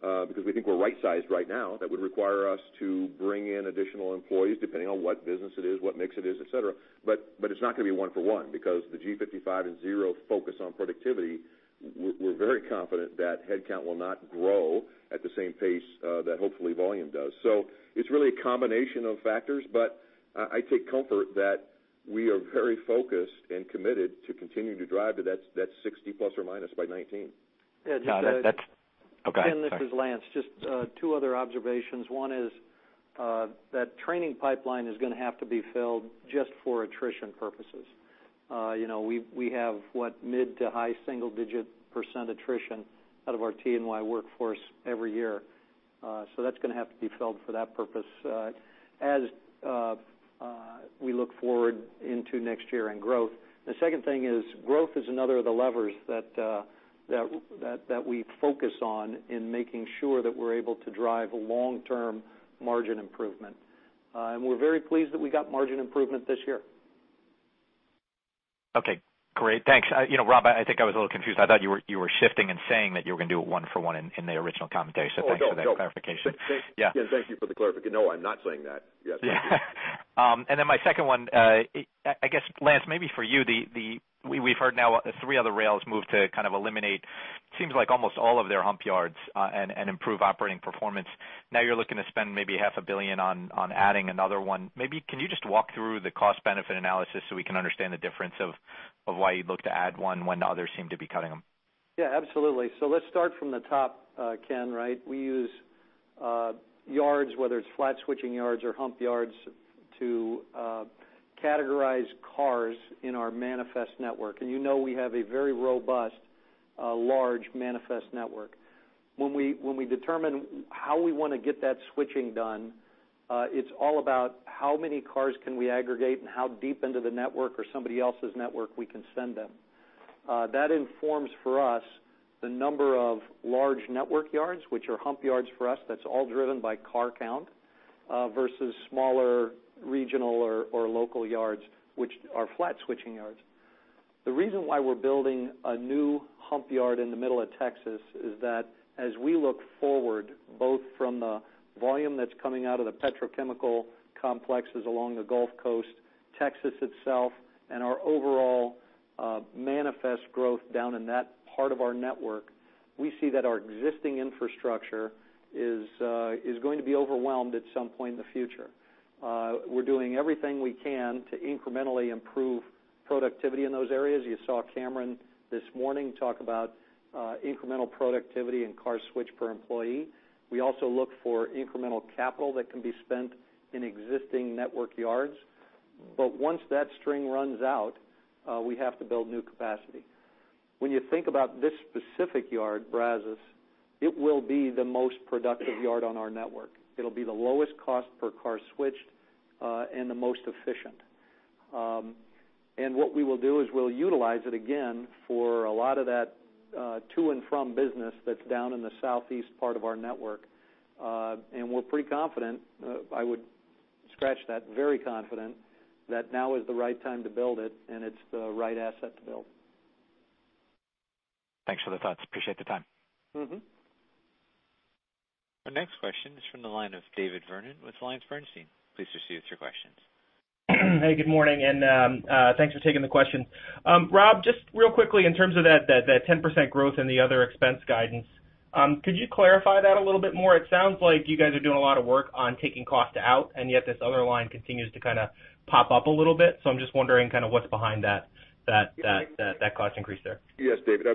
Speaker 5: because we think we're right-sized right now, that would require us to bring in additional employees, depending on what business it is, what mix it is, et cetera. It's not going to be one for one, because the G55 + 0 focus on productivity, we're very confident that headcount will not grow at the same pace that hopefully volume does. It's really a combination of factors, but I take comfort that we are very focused and committed to continuing to drive to that 60 plus or minus by '19.
Speaker 8: No, that's okay.
Speaker 2: Ken, this is Lance. Just two other observations. One is that training pipeline is going to have to be filled just for attrition purposes. We have what mid to high single digit % attrition out of our TE&Y workforce every year. That's going to have to be filled for that purpose as we look forward into next year and growth. The second thing is growth is another of the levers that we focus on in making sure that we're able to drive long-term margin improvement. We're very pleased that we got margin improvement this year.
Speaker 8: Okay, great. Thanks. Rob, I think I was a little confused. I thought you were shifting and saying that you were going to do it one for one in the original commentary, thanks for that clarification.
Speaker 5: Oh, no.
Speaker 8: Yeah.
Speaker 5: Ken, thank you for the clarification. No, I'm not saying that. Yes, thank you.
Speaker 8: My second one, I guess, Lance, maybe for you, we've heard now three other rails move to kind of eliminate, seems like almost all of their hump yards and improve operating performance. Now you're looking to spend maybe half a billion on adding another one. Maybe can you just walk through the cost-benefit analysis so we can understand the difference of why you'd look to add one when others seem to be cutting them?
Speaker 2: Yeah, absolutely. Let's start from the top, Ken, right? We use yards, whether it's flat switching yards or hump yards, to categorize cars in our manifest network. You know we have a very robust, large manifest network. When we determine how we want to get that switching done, it's all about how many cars can we aggregate and how deep into the network or somebody else's network we can send them. That informs for us the number of large network yards, which are hump yards for us. That's all driven by car count. Versus smaller regional or local yards, which are flat switching yards. The reason why we're building a new hump yard in the middle of Texas is that as we look forward, both from the volume that's coming out of the petrochemical complexes along the Gulf Coast, Texas itself, and our overall manifest growth down in that part of our network, we see that our existing infrastructure is going to be overwhelmed at some point in the future. We're doing everything we can to incrementally improve productivity in those areas. You saw Cameron this morning talk about incremental productivity and car switch per employee. We also look for incremental capital that can be spent in existing network yards. Once that string runs out, we have to build new capacity. When you think about this specific yard, Brazos, it will be the most productive yard on our network. It'll be the lowest cost per car switched, and the most efficient. What we will do is we'll utilize it again for a lot of that to and from business that's down in the southeast part of our network. We're pretty confident, I would scratch that, very confident, that now is the right time to build it and it's the right asset to build.
Speaker 8: Thanks for the thoughts. Appreciate the time.
Speaker 1: Our next question is from the line of David Vernon with AllianceBernstein. Please proceed with your questions.
Speaker 9: Hey, good morning, thanks for taking the question. Rob, just real quickly in terms of that 10% growth in the other expense guidance, could you clarify that a little bit more? It sounds like you guys are doing a lot of work on taking cost out, yet this other line continues to kind of pop up a little bit. I'm just wondering kind of what's behind that cost increase there.
Speaker 5: Yes, David. There's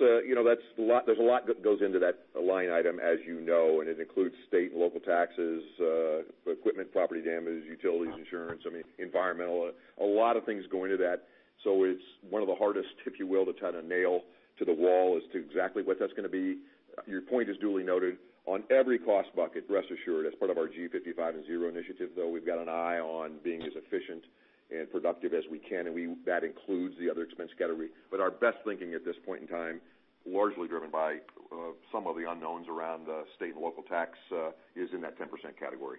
Speaker 5: a lot that goes into that line item, as you know, and it includes state and local taxes, equipment, property damage, utilities, insurance, environmental. A lot of things go into that, so it's one of the hardest, if you will, to kind of nail to the wall as to exactly what that's going to be. Your point is duly noted. On every cost bucket, rest assured, as part of our G55 + 0 initiative, though, we've got an eye on being as efficient and productive as we can, and that includes the other expense category. But our best thinking at this point in time, largely driven by some of the unknowns around state and local tax, is in that 10% category.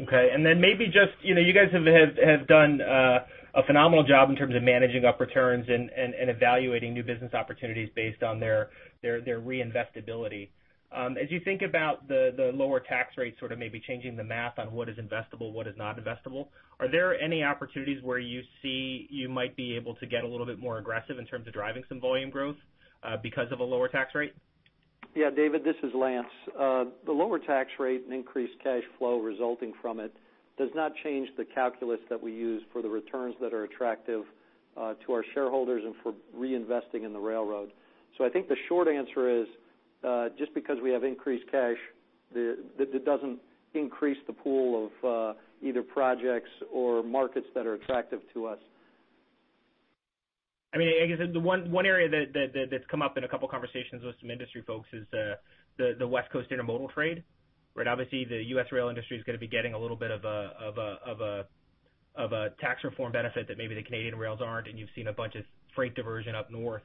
Speaker 9: Okay, maybe just, you guys have done a phenomenal job in terms of managing up returns and evaluating new business opportunities based on their reinvestibility. As you think about the lower tax rate sort of maybe changing the math on what is investable, what is not investable, are there any opportunities where you see you might be able to get a little bit more aggressive in terms of driving some volume growth because of a lower tax rate?
Speaker 2: Yeah, David, this is Lance. The lower tax rate and increased cash flow resulting from it does not change the calculus that we use for the returns that are attractive to our shareholders and for reinvesting in the railroad. So I think the short answer is, just because we have increased cash, that doesn't increase the pool of either projects or markets that are attractive to us.
Speaker 9: The one area that's come up in a couple conversations with some industry folks is the West Coast intermodal trade, where obviously the U.S. rail industry is going to be getting a little bit of a tax reform benefit that maybe the Canadian rails aren't, and you've seen a bunch of freight diversion up north.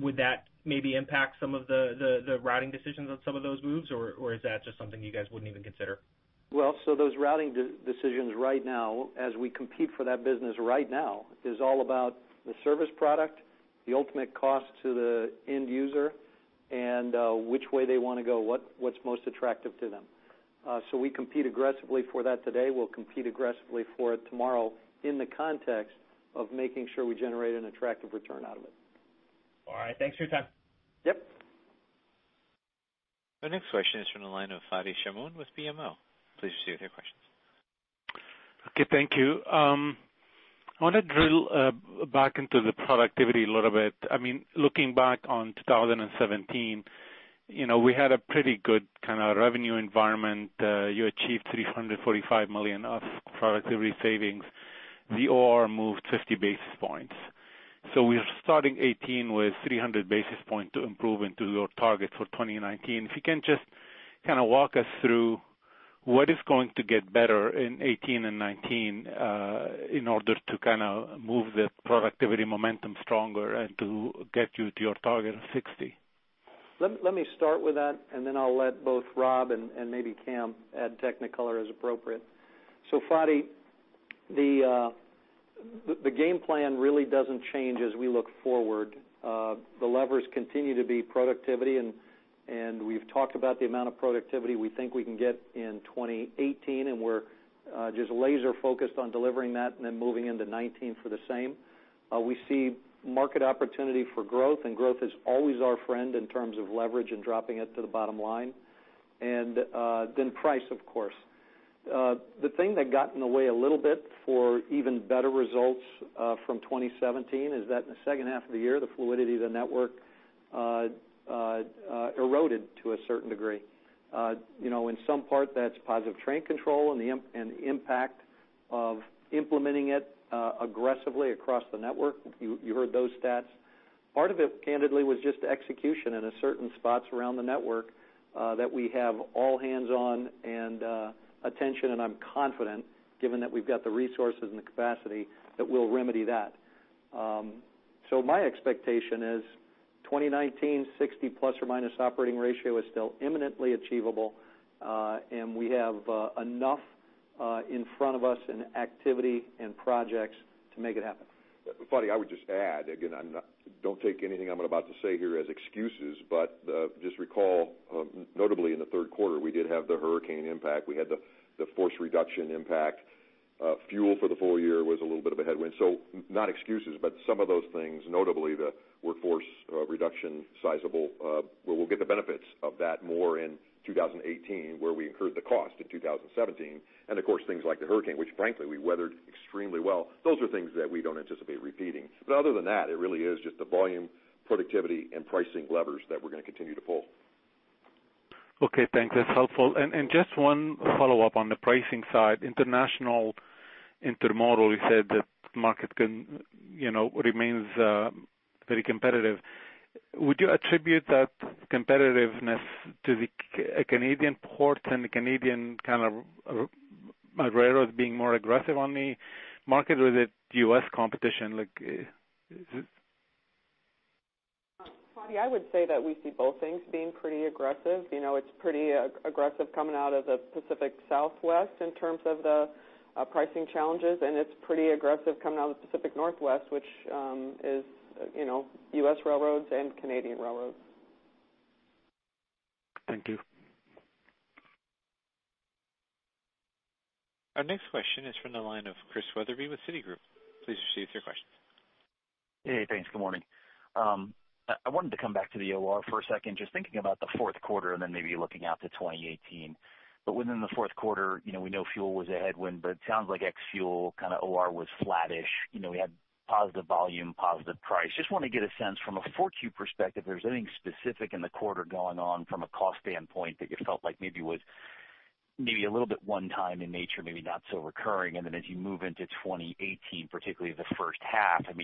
Speaker 9: Would that maybe impact some of the routing decisions on some of those moves, or is that just something you guys wouldn't even consider?
Speaker 2: routing decisions right now, as we compete for that business right now, is all about the service product, the ultimate cost to the end user, and which way they want to go, what's most attractive to them. We compete aggressively for that today. We'll compete aggressively for it tomorrow in the context of making sure we generate an attractive return out of it.
Speaker 9: All right. Thanks for your time.
Speaker 2: Yep.
Speaker 1: Our next question is from the line of Fadi Chamoun with BMO. Please proceed with your questions.
Speaker 10: Okay, thank you. I want to drill back into the productivity a little bit. Looking back on 2017, we had a pretty good kind of revenue environment. You achieved $345 million of productivity savings. The OR moved 50 basis points. We're starting 2018 with 300 basis points to improve into your target for 2019. If you can just kind of walk us through what is going to get better in 2018 and 2019 in order to kind of move the productivity momentum stronger and to get you to your target of 60%.
Speaker 2: Let me start with that, then I'll let both Rob and maybe Cam add technicolor as appropriate. Fadi, the game plan really doesn't change as we look forward. The levers continue to be productivity, and we've talked about the amount of productivity we think we can get in 2018, and we're just laser focused on delivering that then moving into 2019 for the same. We see market opportunity for growth, and growth is always our friend in terms of leverage and dropping it to the bottom line. Price, of course. The thing that got in the way a little bit for even better results from 2017 is that in the second half of the year, the fluidity of the network eroded to a certain degree. In some part that's Positive Train Control and the impact of implementing it aggressively across the network. You heard those stats. Part of it, candidly, was just execution in certain spots around the network that we have all hands on and attention, and I'm confident, given that we've got the resources and the capacity, that we'll remedy that. My expectation is 2019, 60 ± operating ratio is still imminently achievable, and we have enough in front of us in activity and projects to make it happen.
Speaker 5: Fadi, I would just add, again, don't take anything I'm about to say here as excuses, but just recall, notably in the third quarter, we did have the Hurricane impact. We had the force reduction impact. Fuel for the full year was a little bit of a headwind. Not excuses, but some of those things, notably the workforce reduction, sizable, where we'll get the benefits of that more in 2018, where we incurred the cost in 2017, and of course, things like the Hurricane, which frankly, we weathered extremely well. Those are things that we don't anticipate repeating. Other than that, it really is just the volume, productivity, and pricing levers that we're going to continue to pull.
Speaker 10: Okay, thanks. That's helpful. Just one follow-up on the pricing side. International Intermodal, you said the market remains very competitive. Would you attribute that competitiveness to the Canadian ports and the Canadian railroads being more aggressive on the market? Is it U.S. competition like
Speaker 3: Fadi, I would say that we see both things being pretty aggressive. It's pretty aggressive coming out of the Pacific Southwest in terms of the pricing challenges, and it's pretty aggressive coming out of the Pacific Northwest, which is U.S. railroads and Canadian railroads.
Speaker 10: Thank you.
Speaker 1: Our next question is from the line of Chris Wetherbee with Citigroup. Please proceed with your question.
Speaker 11: Hey, thanks. Good morning. I wanted to come back to the OR for a second, just thinking about the fourth quarter and then maybe looking out to 2018. Within the fourth quarter, we know fuel was a headwind, but it sounds like ex-fuel kind of OR was flattish. We had positive volume, positive price. Just want to get a sense from a 4Q perspective, if there's anything specific in the quarter going on from a cost standpoint that you felt like maybe was maybe a little bit one-time in nature, maybe not so recurring. As you move into 2018, particularly the first half, are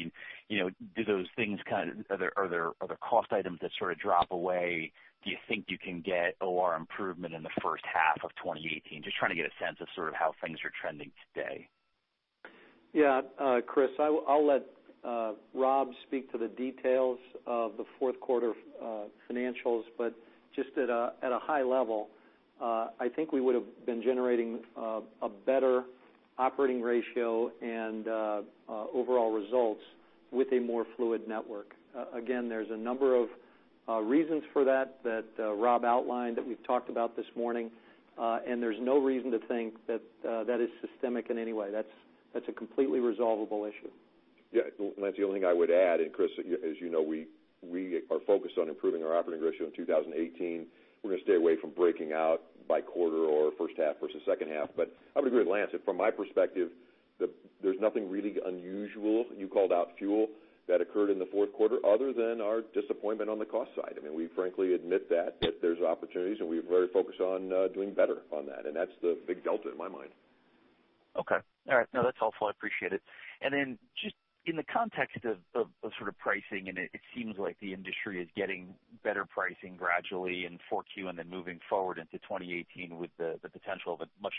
Speaker 11: there cost items that sort of drop away? Do you think you can get OR improvement in the first half of 2018? Just trying to get a sense of sort of how things are trending today.
Speaker 2: Yeah. Chris, I'll let Rob speak to the details of the fourth quarter financials, but just at a high level, I think we would have been generating a better operating ratio and overall results with a more fluid network. Again, there's a number of reasons for that that Rob outlined, that we've talked about this morning, and there's no reason to think that that is systemic in any way. That's a completely resolvable issue.
Speaker 5: Yeah. Lance, the only thing I would add, Chris, as you know, we are focused on improving our operating ratio in 2018. We're going to stay away from breaking out by quarter or first half versus second half. I would agree with Lance, from my perspective, there's nothing really unusual, you called out fuel, that occurred in the fourth quarter other than our disappointment on the cost side. We frankly admit that there's opportunities, and we are very focused on doing better on that, and that's the big delta in my mind.
Speaker 11: Okay. All right. No, that's helpful, I appreciate it. Just in the context of sort of pricing, it seems like the industry is getting better pricing gradually in 4Q and then moving forward into 2018 with the potential of a much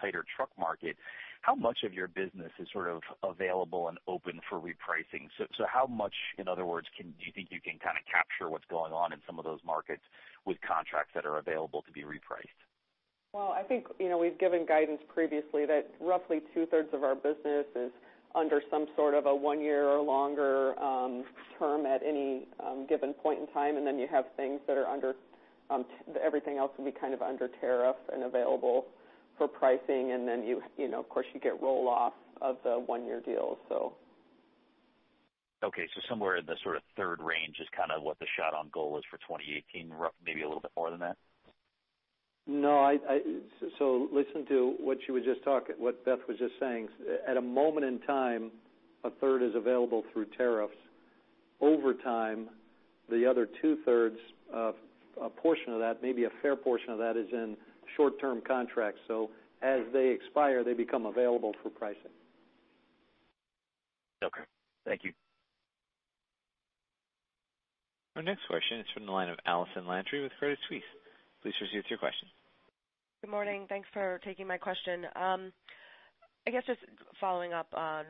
Speaker 11: tighter truck market, how much of your business is sort of available and open for repricing? How much, in other words, do you think you can kind of capture what's going on in some of those markets with contracts that are available to be repriced?
Speaker 3: Well, I think we've given guidance previously that roughly two-thirds of our business is under some sort of a one year or longer term at any given point in time, and then you have things that are everything else will be kind of under tariff and available for pricing, and then, of course, you get roll-off of the one-year deals.
Speaker 11: Okay, somewhere in the sort of third range is kind of what the shot on goal is for 2018, maybe a little bit more than that?
Speaker 2: No, listen to what Beth was just saying. At a moment in time, a third is available through tariffs. Over time, the other two-thirds, a portion of that, maybe a fair portion of that is in short-term contracts. As they expire, they become available for pricing.
Speaker 11: Okay. Thank you.
Speaker 1: Our next question is from the line of Allison Landry with Credit Suisse. Please proceed with your question.
Speaker 12: Good morning. Thanks for taking my question. I guess just following up on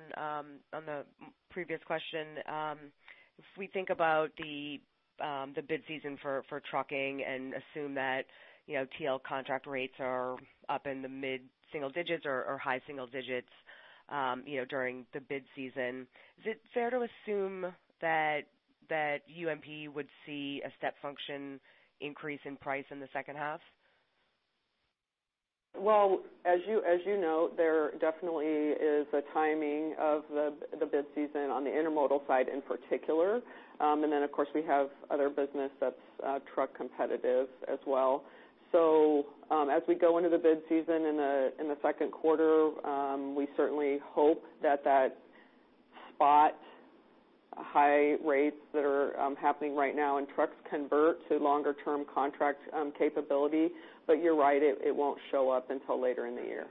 Speaker 12: the previous question, if we think about the bid season for trucking and assume that TL contract rates are up in the mid-single digits or high single digits during the bid season, is it fair to assume that UNP would see a step function increase in price in the second half?
Speaker 3: Well, as you know, there definitely is a timing of the bid season on the intermodal side in particular. Of course, we have other business that's truck competitive as well. As we go into the bid season in the second quarter, we certainly hope that that spot high rates that are happening right now in trucks convert to longer-term contract capability. You're right, it won't show up until later in the year.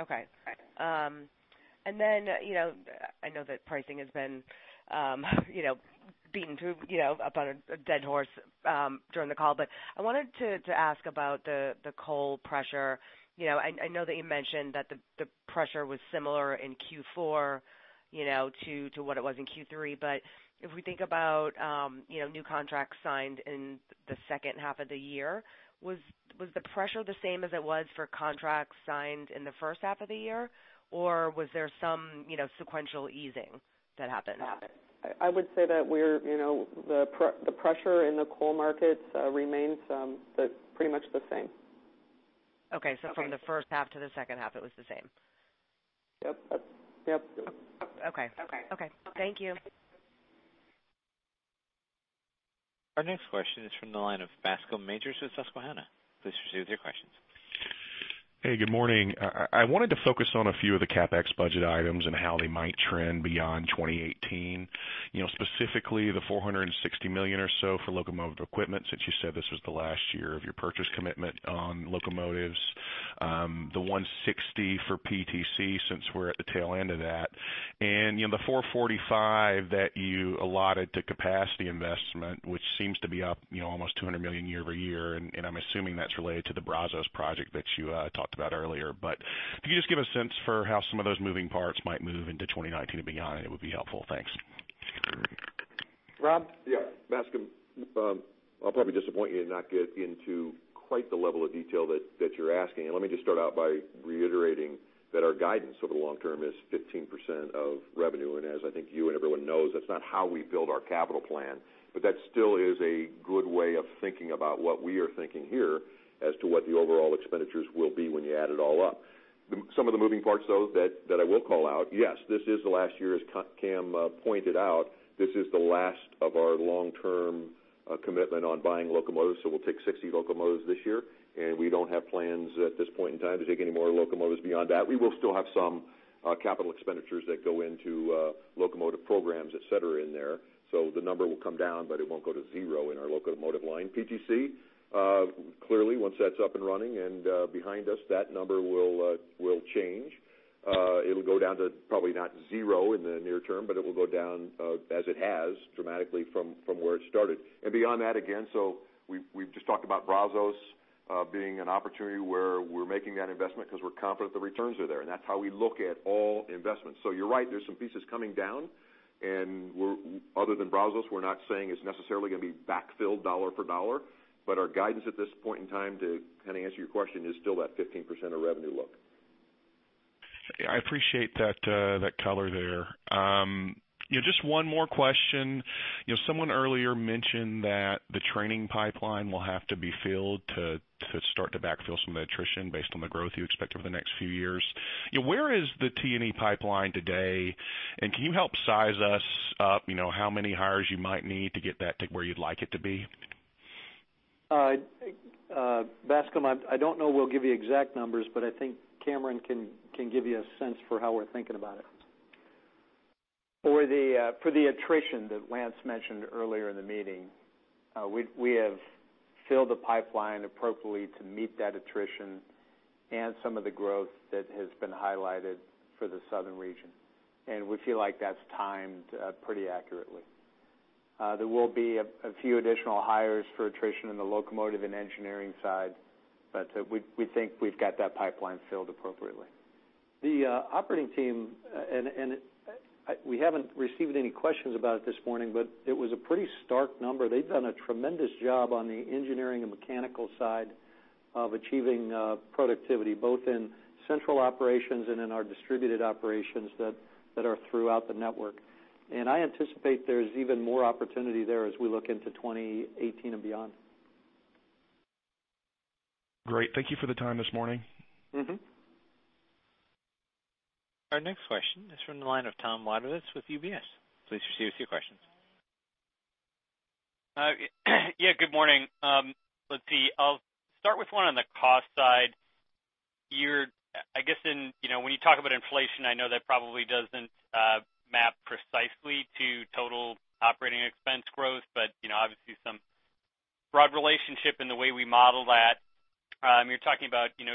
Speaker 12: Okay. I know that pricing has been beaten up on a dead horse during the call, but I wanted to ask about the coal pressure. I know that you mentioned that the pressure was similar in Q4 to what it was in Q3, but if we think about new contracts signed in the second half of the year, was the pressure the same as it was for contracts signed in the first half of the year, or was there some sequential easing that happened?
Speaker 3: I would say that the pressure in the coal markets remains pretty much the same.
Speaker 12: Okay, from the first half to the second half, it was the same.
Speaker 3: Yep.
Speaker 13: Okay. Thank you.
Speaker 1: Our next question is from the line of Bascome Majors with Susquehanna. Please proceed with your questions.
Speaker 14: Hey, good morning. I wanted to focus on a few of the CapEx budget items and how they might trend beyond 2018, specifically the $460 million or so for locomotive equipment, since you said this was the last year of your purchase commitment on locomotives, the $160 for PTC, since we're at the tail end of that, and the $445 that you allotted to capacity investment, which seems to be up almost $200 million year-over-year, and I'm assuming that's related to the Brazos project that you talked about earlier. Could you just give a sense for how some of those moving parts might move into 2019 and beyond? It would be helpful. Thanks.
Speaker 2: Rob?
Speaker 5: Yeah, Bascome, I'll probably disappoint you and not get into quite the level of detail that you're asking. Let me just start out by reiterating that our guidance over the long term is 15% of revenue. As I think you and everyone knows, that's not how we build our capital plan, but that still is a good way of thinking about what we are thinking here as to what the overall expenditures will be when you add it all up. Some of the moving parts, though, that I will call out, yes, this is the last year, as Cam pointed out, this is the last of our long-term commitment on buying locomotives, so we'll take 60 locomotives this year, and we don't have plans at this point in time to take any more locomotives beyond that. We will still have some capital expenditures that go into locomotive programs, et cetera, in there. The number will come down, but it won't go to zero in our locomotive line. PTC, clearly, once that's up and running and behind us, that number will change. It'll go down to probably not zero in the near term, but it will go down, as it has, dramatically from where it started. Beyond that, again, we've just talked about Brazos being an opportunity where we're making that investment because we're confident the returns are there, and that's how we look at all investments. You're right, there's some pieces coming down, and other than Brazos, we're not saying it's necessarily going to be backfilled dollar for dollar, but our guidance at this point in time, to answer your question, is still that 15% of revenue look.
Speaker 14: I appreciate that color there. Just one more question. Someone earlier mentioned that the training pipeline will have to be filled to start to backfill some of the attrition based on the growth you expect over the next few years. Where is the T&E pipeline today, and can you help size us up, how many hires you might need to get that to where you'd like it to be?
Speaker 2: Bascome, I don't know we'll give you exact numbers, but I think Cameron can give you a sense for how we're thinking about it.
Speaker 4: For the attrition that Lance mentioned earlier in the meeting, we have filled the pipeline appropriately to meet that attrition and some of the growth that has been highlighted for the southern region. We feel like that's timed pretty accurately. There will be a few additional hires for attrition in the locomotive and engineering side, we think we've got that pipeline filled appropriately.
Speaker 2: The operating team, we haven't received any questions about it this morning, it was a pretty stark number. They've done a tremendous job on the engineering and mechanical side of achieving productivity, both in central operations and in our distributed operations that are throughout the network. I anticipate there's even more opportunity there as we look into 2018 and beyond.
Speaker 14: Great. Thank you for the time this morning.
Speaker 1: Our next question is from the line of Tom Wadewitz with UBS. Please proceed with your questions.
Speaker 13: Yeah. Good morning. Let's see. I'll start with one on the cost side. When you talk about inflation, I know that probably doesn't map precisely to total operating expense growth, but obviously some broad relationship in the way we model that. You're talking about 2%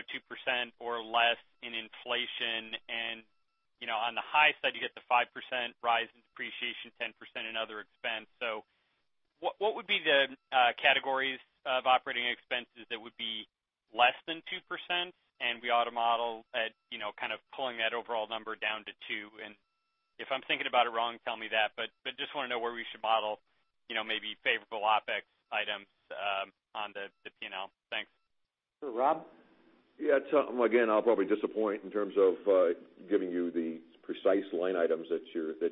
Speaker 13: or less in inflation and on the high side, you get the 5% rise in depreciation, 10% in other expense. What would be the categories of operating expenses that would be less than 2% and we ought to model at pulling that overall number down to 2? If I'm thinking about it wrong, tell me that, but just want to know where we should model maybe favorable OpEx items on the P&L. Thanks.
Speaker 2: Rob?
Speaker 5: Yeah, Tom. I'll probably disappoint in terms of giving you the precise line items that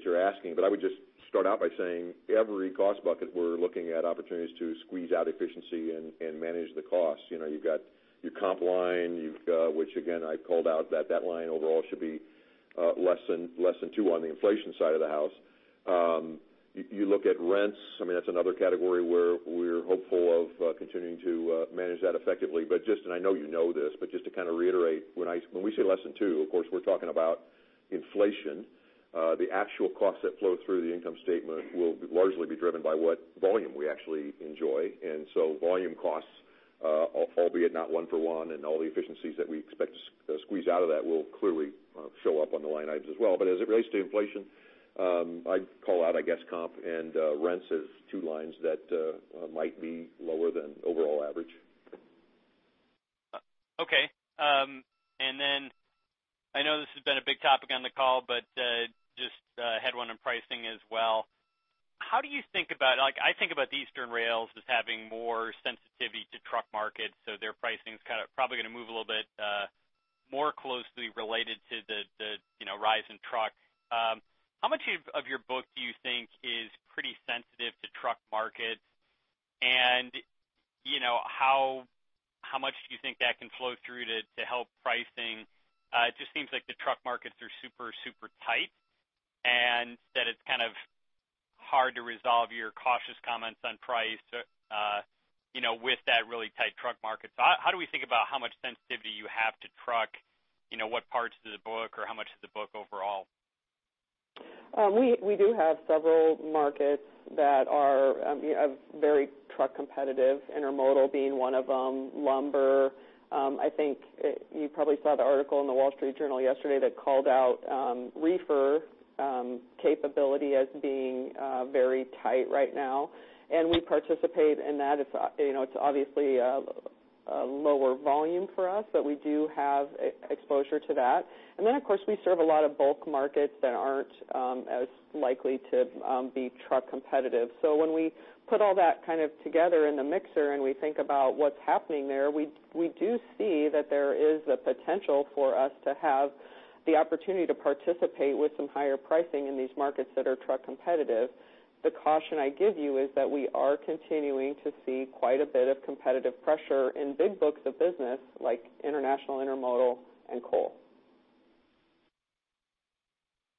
Speaker 5: you're asking, but I would just start out by saying every cost bucket, we're looking at opportunities to squeeze out efficiency and manage the costs. You've got your comp line, which again, I called out that line overall should be less than 2 on the inflation side of the house. You look at rents, that's another category where we're hopeful of continuing to manage that effectively. I know you know this, but just to reiterate, when we say less than 2, of course, we're talking about inflation. The actual costs that flow through the income statement will largely be driven by what volume we actually enjoy. Volume costs, albeit not one for one, and all the efficiencies that we expect to squeeze out of that will clearly show up on the line items as well. As it relates to inflation, I'd call out, I guess, comp and rents as 2 lines that might be lower than overall average.
Speaker 13: Okay. I know this has been a big topic on the call, but just headwind and pricing as well. I think about the eastern rails as having more sensitivity to truck markets, their pricing is probably going to move a little bit more closely related to the rise in truck. How much of your book do you think is pretty sensitive to truck markets? How much do you think that can flow through to help pricing? It just seems like the truck markets are super tight, and that it's hard to resolve your cautious comments on price, with that really tight truck market. How do we think about how much sensitivity you have to truck? What parts of the book, or how much of the book overall?
Speaker 3: We do have several markets that are very truck competitive, intermodal being one of them, lumber. I think you probably saw the article in The Wall Street Journal yesterday that called out reefer capability as being very tight right now. We participate in that. It's obviously lower volume for us, but we do have exposure to that. Of course, we serve a lot of bulk markets that aren't as likely to be truck competitive. When we put all that together in the mixer, and we think about what's happening there, we do see that there is a potential for us to have the opportunity to participate with some higher pricing in these markets that are truck competitive. The caution I give you is that we are continuing to see quite a bit of competitive pressure in big books of business like international intermodal and coal.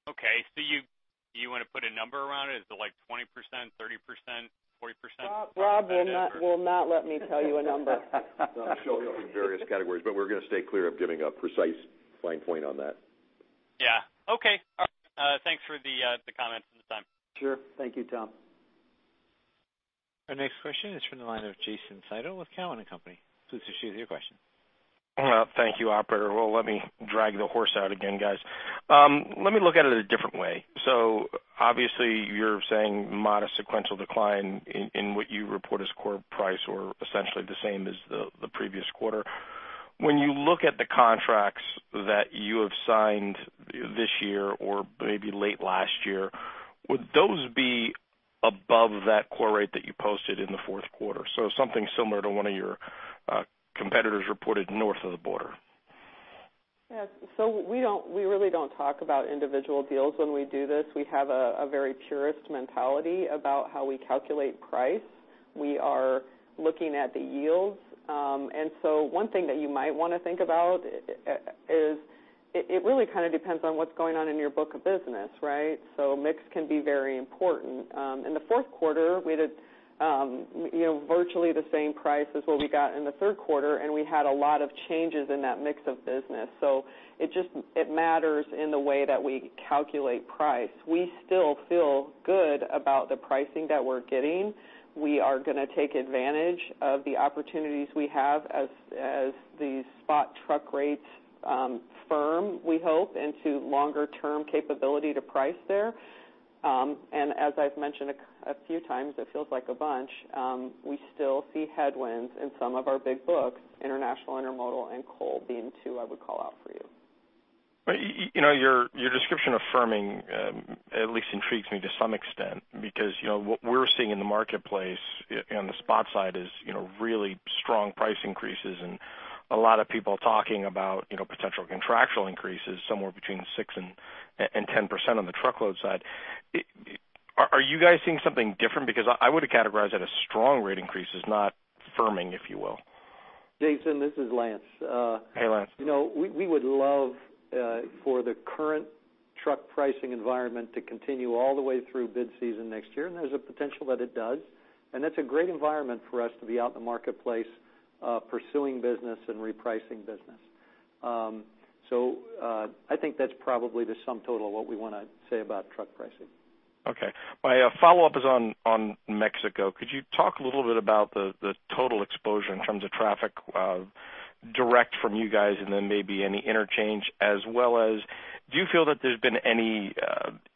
Speaker 13: Okay. Do you want to put a number around it? Is it like 20%, 30%, 40%?
Speaker 3: Rob will not let me tell you a number.
Speaker 5: It'll show up in various categories, but we're going to stay clear of giving a precise blind point on that.
Speaker 13: Yeah. Okay. All right. Thanks for the comments and the time.
Speaker 5: Sure. Thank you, Tom.
Speaker 1: Our next question is from the line of Jason Seidl with Cowen and Company. Please proceed with your question.
Speaker 15: Thank you, operator. Let me drag the horse out again, guys. Let me look at it a different way. Obviously, you're saying modest sequential decline in what you report as core price or essentially the same as the previous quarter. When you look at the contracts that you have signed this year or maybe late last year, would those be above that core rate that you posted in the fourth quarter? Something similar to what one of your competitors reported north of the border.
Speaker 3: We really don't talk about individual deals when we do this. We have a very purist mentality about how we calculate price. We are looking at the yields. One thing that you might want to think about is it really depends on what's going on in your book of business, right? Mix can be very important. In the fourth quarter, we did virtually the same price as what we got in the third quarter, and we had a lot of changes in that mix of business. It matters in the way that we calculate price. We still feel good about the pricing that we're getting. We are going to take advantage of the opportunities we have as the spot truck rates firm, we hope, into longer-term capability to price there. As I've mentioned a few times, it feels like a bunch, we still see headwinds in some of our big books, international intermodal and coal being two I would call out for you.
Speaker 15: Your description of firming at least intrigues me to some extent, because what we're seeing in the marketplace on the spot side is really strong price increases and a lot of people talking about potential contractual increases somewhere between 6%-10% on the truckload side. Are you guys seeing something different? Because I would have categorized that as strong rate increases, not firming, if you will.
Speaker 2: Jason, this is Lance.
Speaker 15: Hey, Lance.
Speaker 2: We would love for the current truck pricing environment to continue all the way through bid season next year, there's a potential that it does. That's a great environment for us to be out in the marketplace, pursuing business and repricing business. I think that's probably the sum total of what we want to say about truck pricing.
Speaker 15: Okay. My follow-up is on Mexico. Could you talk a little bit about the total exposure in terms of traffic, direct from you guys and then maybe any interchange? As well as, do you feel that there's been any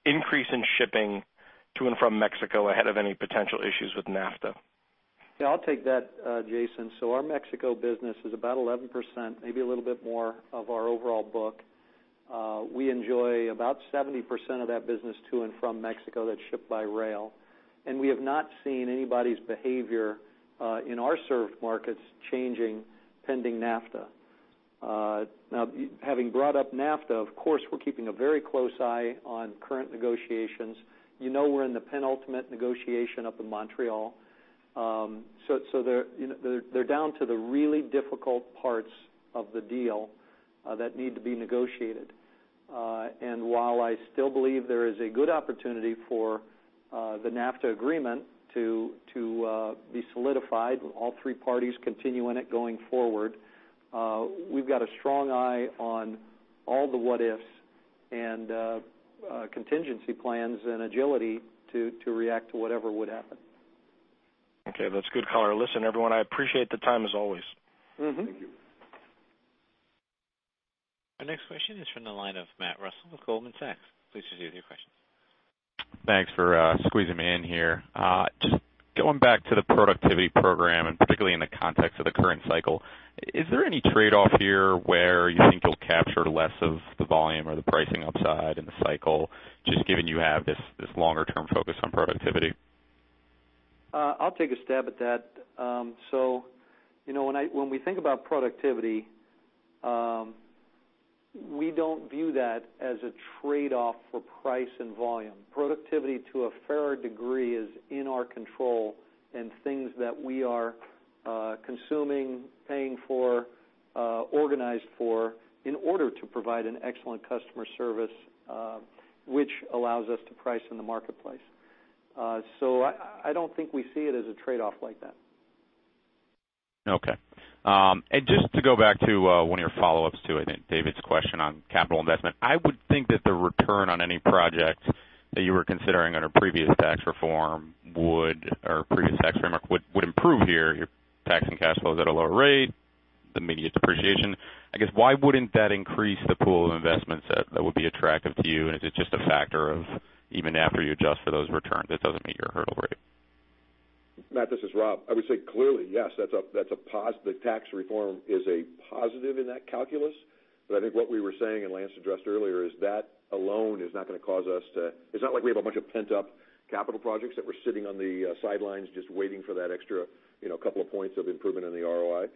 Speaker 15: increase in shipping to and from Mexico ahead of any potential issues with NAFTA?
Speaker 5: Yeah, I'll take that, Jason. Our Mexico business is about 11%, maybe a little bit more of our overall book. We enjoy about 70% of that business to and from Mexico that's shipped by rail. We have not seen anybody's behavior in our served markets changing pending NAFTA. Now, having brought up NAFTA, of course, we're keeping a very close eye on current negotiations. You know we're in the penultimate negotiation up in Montreal. They're down to the really difficult parts of the deal that need to be negotiated. While I still believe there is a good opportunity for
Speaker 2: The NAFTA agreement to be solidified, all three parties continue in it going forward. We've got a strong eye on all the what-ifs and contingency plans and agility to react to whatever would happen.
Speaker 15: Okay, that's good color. Listen, everyone, I appreciate the time as always.
Speaker 5: Thank you.
Speaker 1: Our next question is from the line of Matt Russell with Goldman Sachs. Please proceed with your question.
Speaker 16: Thanks for squeezing me in here. Going back to the productivity program, particularly in the context of the current cycle, is there any trade-off here where you think you'll capture less of the volume or the pricing upside in the cycle, just given you have this longer-term focus on productivity?
Speaker 2: I'll take a stab at that. When we think about productivity, we don't view that as a trade-off for price and volume. Productivity, to a fair degree, is in our control and things that we are consuming, paying for, organized for, in order to provide an excellent customer service, which allows us to price in the marketplace. I don't think we see it as a trade-off like that.
Speaker 16: Okay. Just to go back to one of your follow-ups to David's question on capital investment, I would think that the return on any project that you were considering under previous tax reform would, or previous tax framework, would improve here. Your tax and cash flow is at a lower rate, the immediate depreciation. I guess, why wouldn't that increase the pool of investments that would be attractive to you? Is it just a factor of, even after you adjust for those returns, it doesn't meet your hurdle rate?
Speaker 5: Matt, this is Rob. I would say clearly, yes, the tax reform is a positive in that calculus. I think what we were saying, and Lance addressed earlier, is that alone is not like we have a bunch of pent-up capital projects that were sitting on the sidelines just waiting for that extra couple of points of improvement in the ROI.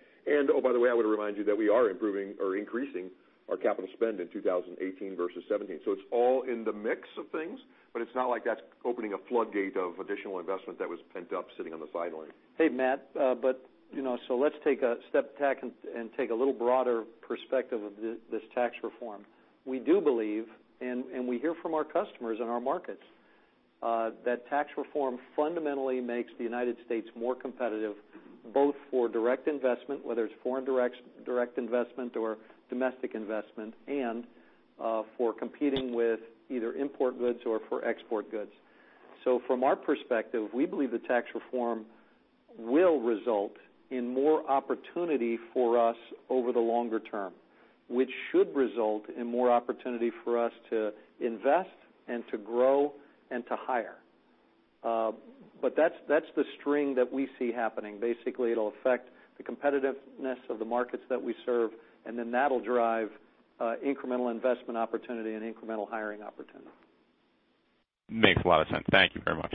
Speaker 5: Oh, by the way, I would remind you that we are improving or increasing our capital spend in 2018 versus 2017. It's all in the mix of things, but it's not like that's opening a floodgate of additional investment that was pent up sitting on the sideline.
Speaker 2: Hey, Matt, let's take a step back and take a little broader perspective of this tax reform. We do believe, and we hear from our customers and our markets, that tax reform fundamentally makes the United States more competitive, both for direct investment, whether it's foreign direct investment or domestic investment, and for competing with either import goods or for export goods. From our perspective, we believe the tax reform will result in more opportunity for us over the longer term, which should result in more opportunity for us to invest and to grow and to hire. That's the string that we see happening. Basically, it'll affect the competitiveness of the markets that we serve, and then that'll drive incremental investment opportunity and incremental hiring opportunity.
Speaker 16: Makes a lot of sense. Thank you very much.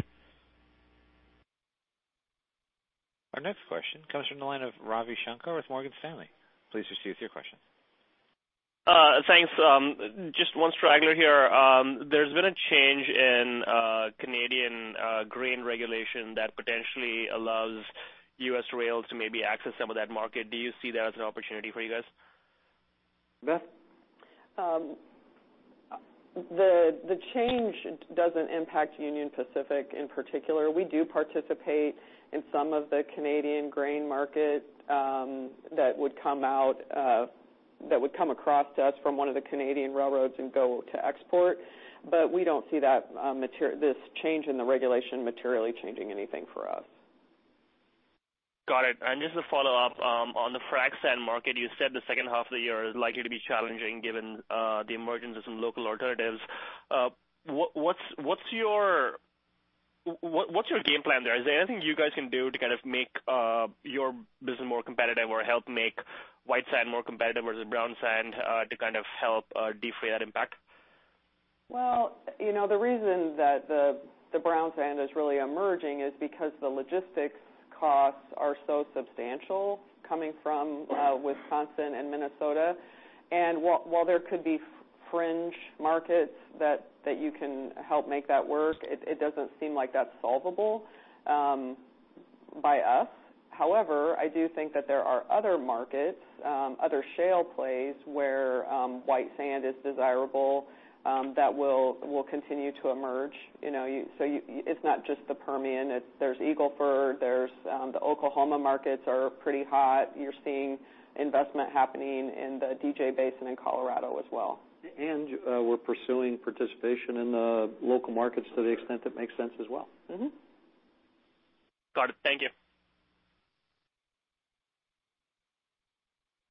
Speaker 1: Our next question comes from the line of Ravi Shanker with Morgan Stanley. Please proceed with your question.
Speaker 17: Thanks. Just one straggler here. There's been a change in Canadian grain regulation that potentially allows U.S. rails to maybe access some of that market. Do you see that as an opportunity for you guys?
Speaker 2: Beth?
Speaker 3: The change doesn't impact Union Pacific in particular. We do participate in some of the Canadian grain market that would come across to us from one of the Canadian railroads and go to export. We don't see this change in the regulation materially changing anything for us.
Speaker 17: Got it. Just a follow-up. On the frac sand market, you said the second half of the year is likely to be challenging given the emergence of some local alternatives. What's your game plan there? Is there anything you guys can do to make your business more competitive or help make white sand more competitive versus brown sand to help defray that impact?
Speaker 3: Well, the reason that the brown sand is really emerging is because the logistics costs are so substantial coming from Wisconsin and Minnesota. While there could be fringe markets that you can help make that work, it doesn't seem like that's solvable by us. However, I do think that there are other markets, other shale plays, where white sand is desirable, that will continue to emerge. It's not just the Permian. There's Eagle Ford. The Oklahoma markets are pretty hot. You're seeing investment happening in the DJ Basin in Colorado as well.
Speaker 2: We're pursuing participation in the local markets to the extent that makes sense as well.
Speaker 17: Got it. Thank you.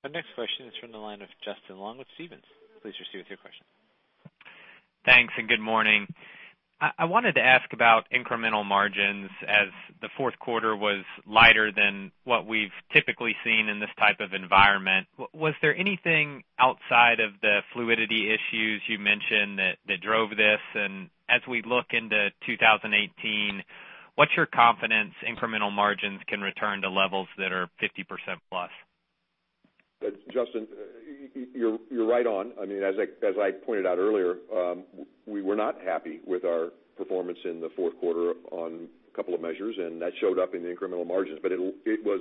Speaker 1: Our next question is from the line of Justin Long with Stephens. Please proceed with your question.
Speaker 18: Thanks. Good morning. I wanted to ask about incremental margins, as the fourth quarter was lighter than what we've typically seen in this type of environment. Was there anything outside of the fluidity issues you mentioned that drove this? As we look into 2018, what's your confidence incremental margins can return to levels that are 50% plus?
Speaker 5: Justin, you're right on. As I pointed out earlier, we were not happy with our performance in the fourth quarter on a couple of measures, that showed up in the incremental margins. It was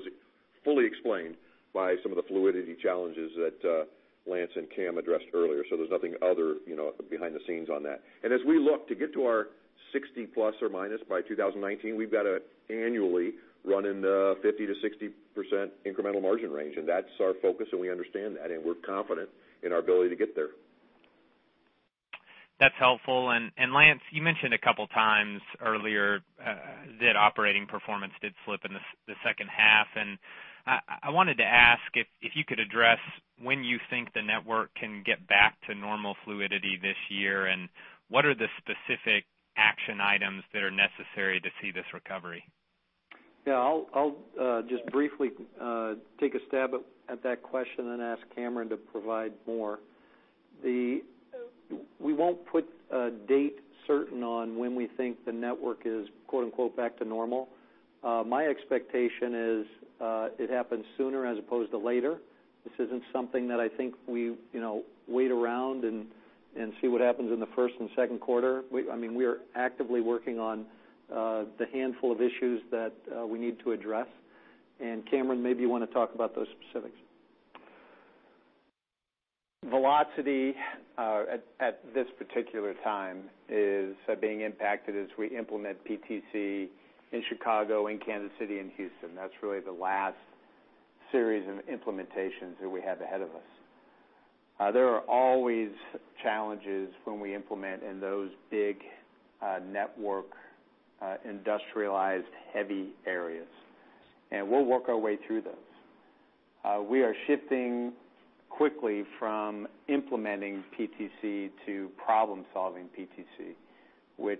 Speaker 5: Fully explained by some of the fluidity challenges that Lance and Cam addressed earlier. There's nothing other behind the scenes on that. As we look to get to our 60 ± by 2019, we've got to annually run in the 50%-60% incremental margin range, and that's our focus, and we understand that, and we're confident in our ability to get there.
Speaker 18: That's helpful. Lance, you mentioned a couple of times earlier that operating performance did slip in the second half, and I wanted to ask if you could address when you think the network can get back to normal fluidity this year, and what are the specific action items that are necessary to see this recovery?
Speaker 2: Yeah, I'll just briefly take a stab at that question and ask Cameron to provide more. We won't put a date certain on when we think the network is "back to normal." My expectation is it happens sooner as opposed to later. This isn't something that I think we wait around and see what happens in the first and second quarter. We are actively working on the handful of issues that we need to address. Cameron, maybe you want to talk about those specifics.
Speaker 4: Velocity at this particular time is being impacted as we implement PTC in Chicago, in Kansas City, and Houston. That's really the last series of implementations that we have ahead of us. There are always challenges when we implement in those big network, industrialized, heavy areas. We'll work our way through those. We are shifting quickly from implementing PTC to problem-solving PTC, which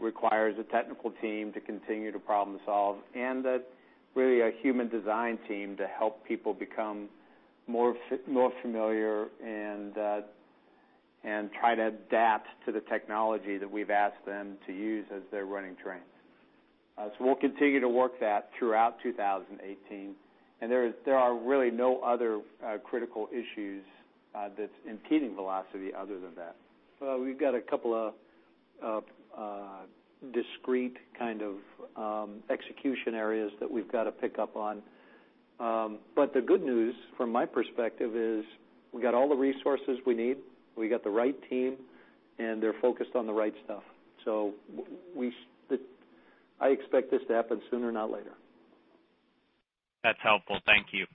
Speaker 4: requires a technical team to continue to problem solve and really a human design team to help people become more familiar and try to adapt to the technology that we've asked them to use as they're running trains. We'll continue to work that throughout 2018, and there are really no other critical issues that's impeding velocity other than that.
Speaker 2: We've got a couple of discrete kind of execution areas that we've got to pick up on. The good news from my perspective is we've got all the resources we need, we got the right team, and they're focused on the right stuff. I expect this to happen sooner, not later.
Speaker 18: That's helpful. Thank you.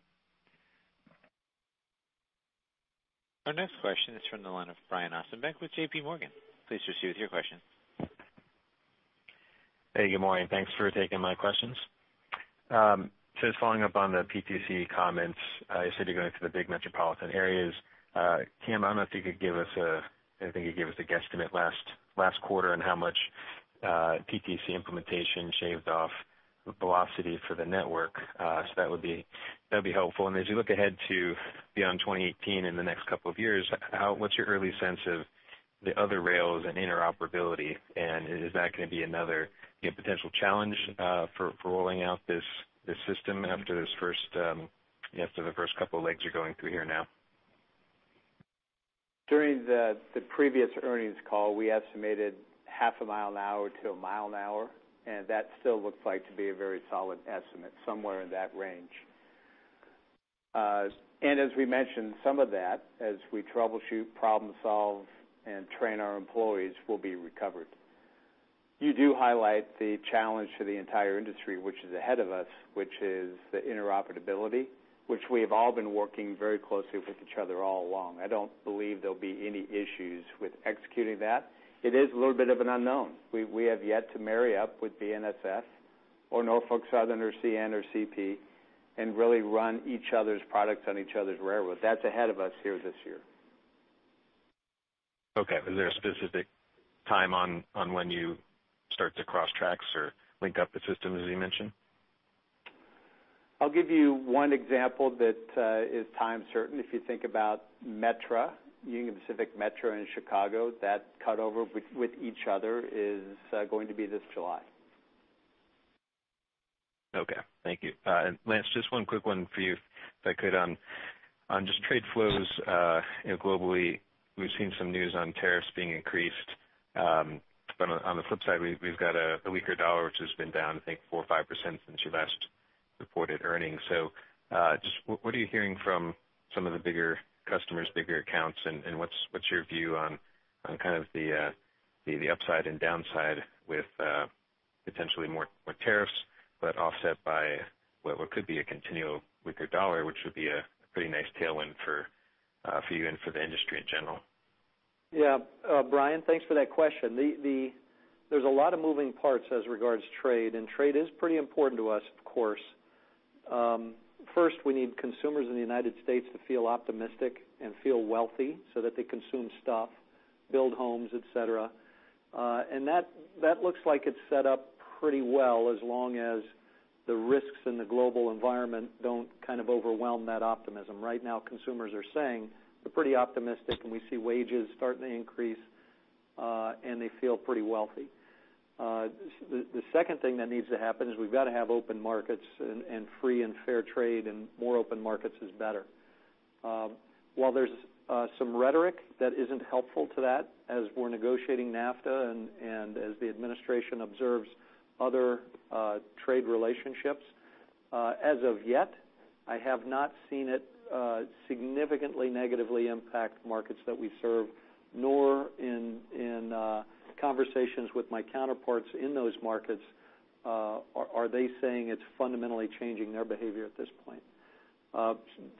Speaker 1: Our next question is from the line of Brian Ossenbeck with JP Morgan. Please proceed with your question.
Speaker 19: Hey, good morning. Thanks for taking my questions. Just following up on the PTC comments, you said you're going through the big metropolitan areas. Cam, I don't know if you could give us a guesstimate last quarter on how much PTC implementation shaved off velocity for the network. That would be helpful. As you look ahead to beyond 2018 in the next couple of years, what's your early sense of the other rails and interoperability? Is that going to be another potential challenge for rolling out this system after the first couple of legs you're going through here now?
Speaker 4: During the previous earnings call, we estimated half a mile an hour to a mile an hour, that still looks like to be a very solid estimate, somewhere in that range. As we mentioned, some of that, as we troubleshoot, problem solve, and train our employees, will be recovered. You do highlight the challenge to the entire industry, which is ahead of us, which is the interoperability, which we have all been working very closely with each other all along. I don't believe there'll be any issues with executing that. It is a little bit of an unknown. We have yet to marry up with BNSF or Norfolk Southern or CN or CP and really run each other's products on each other's railroads. That's ahead of us here this year.
Speaker 19: Okay. Is there a specific time on when you start to cross tracks or link up the system, as you mentioned?
Speaker 4: I'll give you one example that is time certain. If you think about Metra, Union Pacific Metra in Chicago, that cut over with each other is going to be this July.
Speaker 19: Okay. Thank you. Lance, just one quick one for you, if I could. On just trade flows globally, we've seen some news on tariffs being increased. On the flip side, we've got a weaker dollar, which has been down, I think 4% or 5% since you last reported earnings. Just what are you hearing from some of the bigger customers, bigger accounts, and what's your view on kind of the upside and downside with potentially more tariffs, offset by what could be a continual weaker dollar, which would be a pretty nice tailwind for you and for the industry in general?
Speaker 2: Yeah. Brian, thanks for that question. There's a lot of moving parts as regards to trade, and trade is pretty important to us, of course. First, we need consumers in the U.S. to feel optimistic and feel wealthy so that they consume stuff, build homes, et cetera. That looks like it's set up pretty well as long as the risks in the global environment don't kind of overwhelm that optimism. Right now, consumers are saying they're pretty optimistic, and we see wages starting to increase, and they feel pretty wealthy. The second thing that needs to happen is we've got to have open markets and free and fair trade, and more open markets is better. While there's some rhetoric that isn't helpful to that, as we're negotiating NAFTA and as the administration observes other trade relationships, as of yet, I have not seen it significantly negatively impact markets that we serve, nor in conversations with my counterparts in those markets, are they saying it's fundamentally changing their behavior at this point.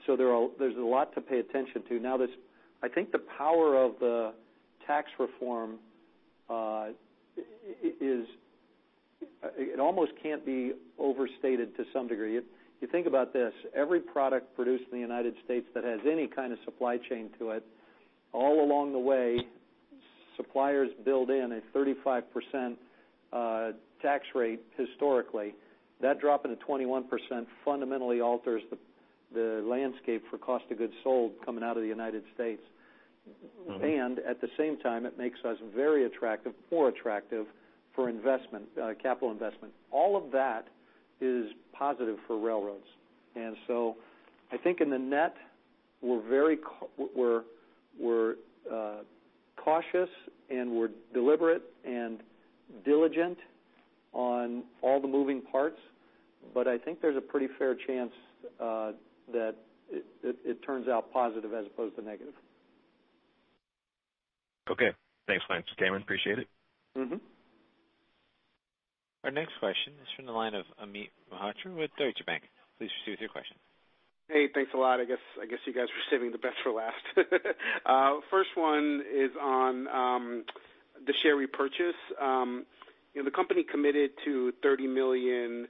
Speaker 2: There's a lot to pay attention to. Now, I think the power of the tax reform, it almost can't be overstated to some degree. You think about this, every product produced in the U.S. that has any kind of supply chain to it, all along the way, suppliers build in a 35% tax rate historically. That drop into 21% fundamentally alters the landscape for cost of goods sold coming out of the U.S. At the same time, it makes us very attractive, more attractive for capital investment. All of that is positive for railroads. I think in the net, we're cautious, and we're deliberate and diligent on all the moving parts. I think there's a pretty fair chance that it turns out positive as opposed to negative.
Speaker 19: Okay. Thanks, Lance, Cameron, appreciate it.
Speaker 1: Our next question is from the line of Amit Mehrotra with Deutsche Bank. Please proceed with your question.
Speaker 20: Hey, thanks a lot. I guess you guys were saving the best for last. First one is on the share repurchase. The company committed to 30 million,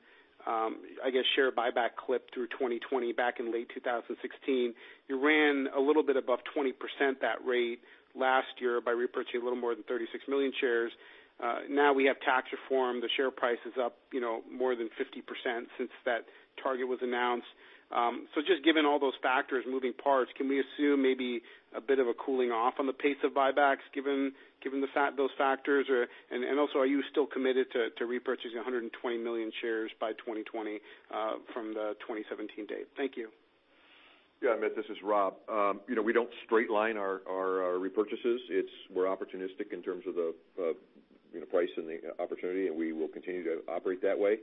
Speaker 20: I guess, share buyback clip through 2020 back in late 2016. You ran a little bit above 20% that rate last year by repurchasing a little more than 36 million shares. Now we have tax reform. The share price is up more than 50% since that target was announced. Just given all those factors, moving parts, can we assume maybe a bit of a cooling off on the pace of buybacks, given those factors? And also, are you still committed to repurchasing 120 million shares by 2020 from the 2017 date? Thank you.
Speaker 5: Yeah, Amit, this is Rob. We don't straight line our repurchases. We're opportunistic in terms of the price and the opportunity, and we will continue to operate that way.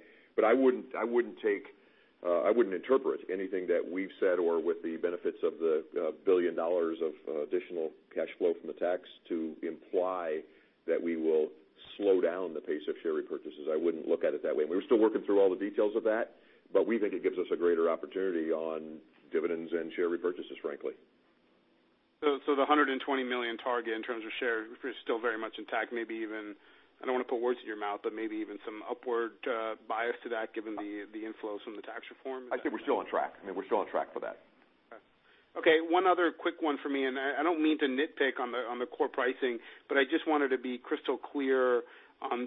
Speaker 5: I wouldn't interpret anything that we've said or with the benefits of the $1 billion of additional cash flow from the tax to imply that we will slow down the pace of share repurchases. I wouldn't look at it that way. We're still working through all the details of that, but we think it gives us a greater opportunity on dividends and share repurchases, frankly.
Speaker 20: The 120 million target in terms of shares is still very much intact, maybe even, I don't want to put words in your mouth, but maybe even some upward bias to that given the inflows from the tax reform?
Speaker 5: I think we're still on track. We're still on track for that.
Speaker 20: Okay. One other quick one for me, and I don't mean to nitpick on the core pricing, but I just wanted to be crystal clear on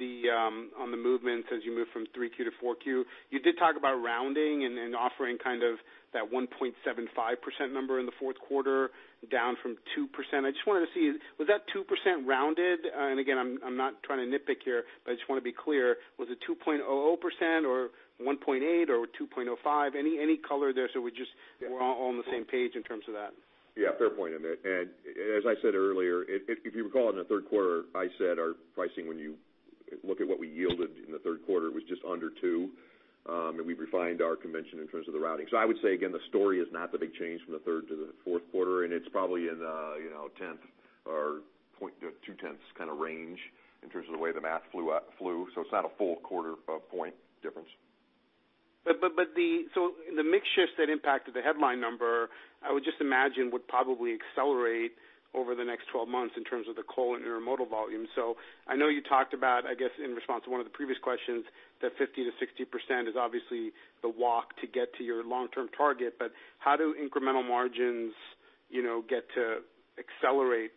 Speaker 20: the movements as you move from 3Q to 4Q. You did talk about rounding and offering kind of that 1.75% number in the fourth quarter, down from 2%. I just wanted to see, was that 2% rounded? Again, I'm not trying to nitpick here, but I just want to be clear. Was it 2.00% or 1.8% or 2.05%? Any color there so we're all on the same page in terms of that?
Speaker 5: Yeah, fair point, Amit. As I said earlier, if you recall in the third quarter, I said our pricing, when you look at what we yielded in the third quarter, was just under 2%. We've refined our convention in terms of the routing. I would say, again, the story is not the big change from the third to the fourth quarter, and it's probably in the tenth or two-tenths kind of range in terms of the way the math flew. It's not a full quarter of point difference.
Speaker 20: The mix shifts that impacted the headline number, I would just imagine would probably accelerate over the next 12 months in terms of the coal and intermodal volume. I know you talked about, I guess, in response to one of the previous questions, that 50%-60% is obviously the walk to get to your long-term target. How do incremental margins get to accelerate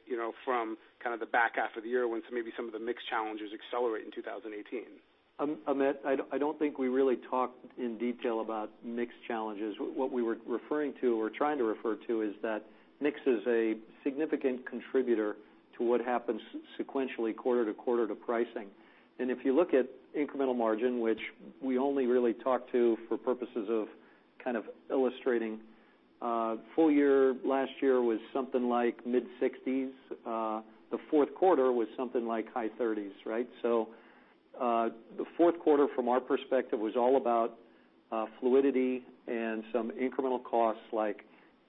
Speaker 20: from kind of the back half of the year when maybe some of the mix challenges accelerate in 2018?
Speaker 2: Amit, I don't think we really talked in detail about mix challenges. What we were referring to or trying to refer to is that mix is a significant contributor to what happens sequentially quarter to quarter to pricing. If you look at incremental margin, which we only really talk to for purposes of kind of illustrating full year, last year was something like mid-60s. The fourth quarter was something like high 30s, right? The fourth quarter from our perspective, was all about fluidity and some incremental costs like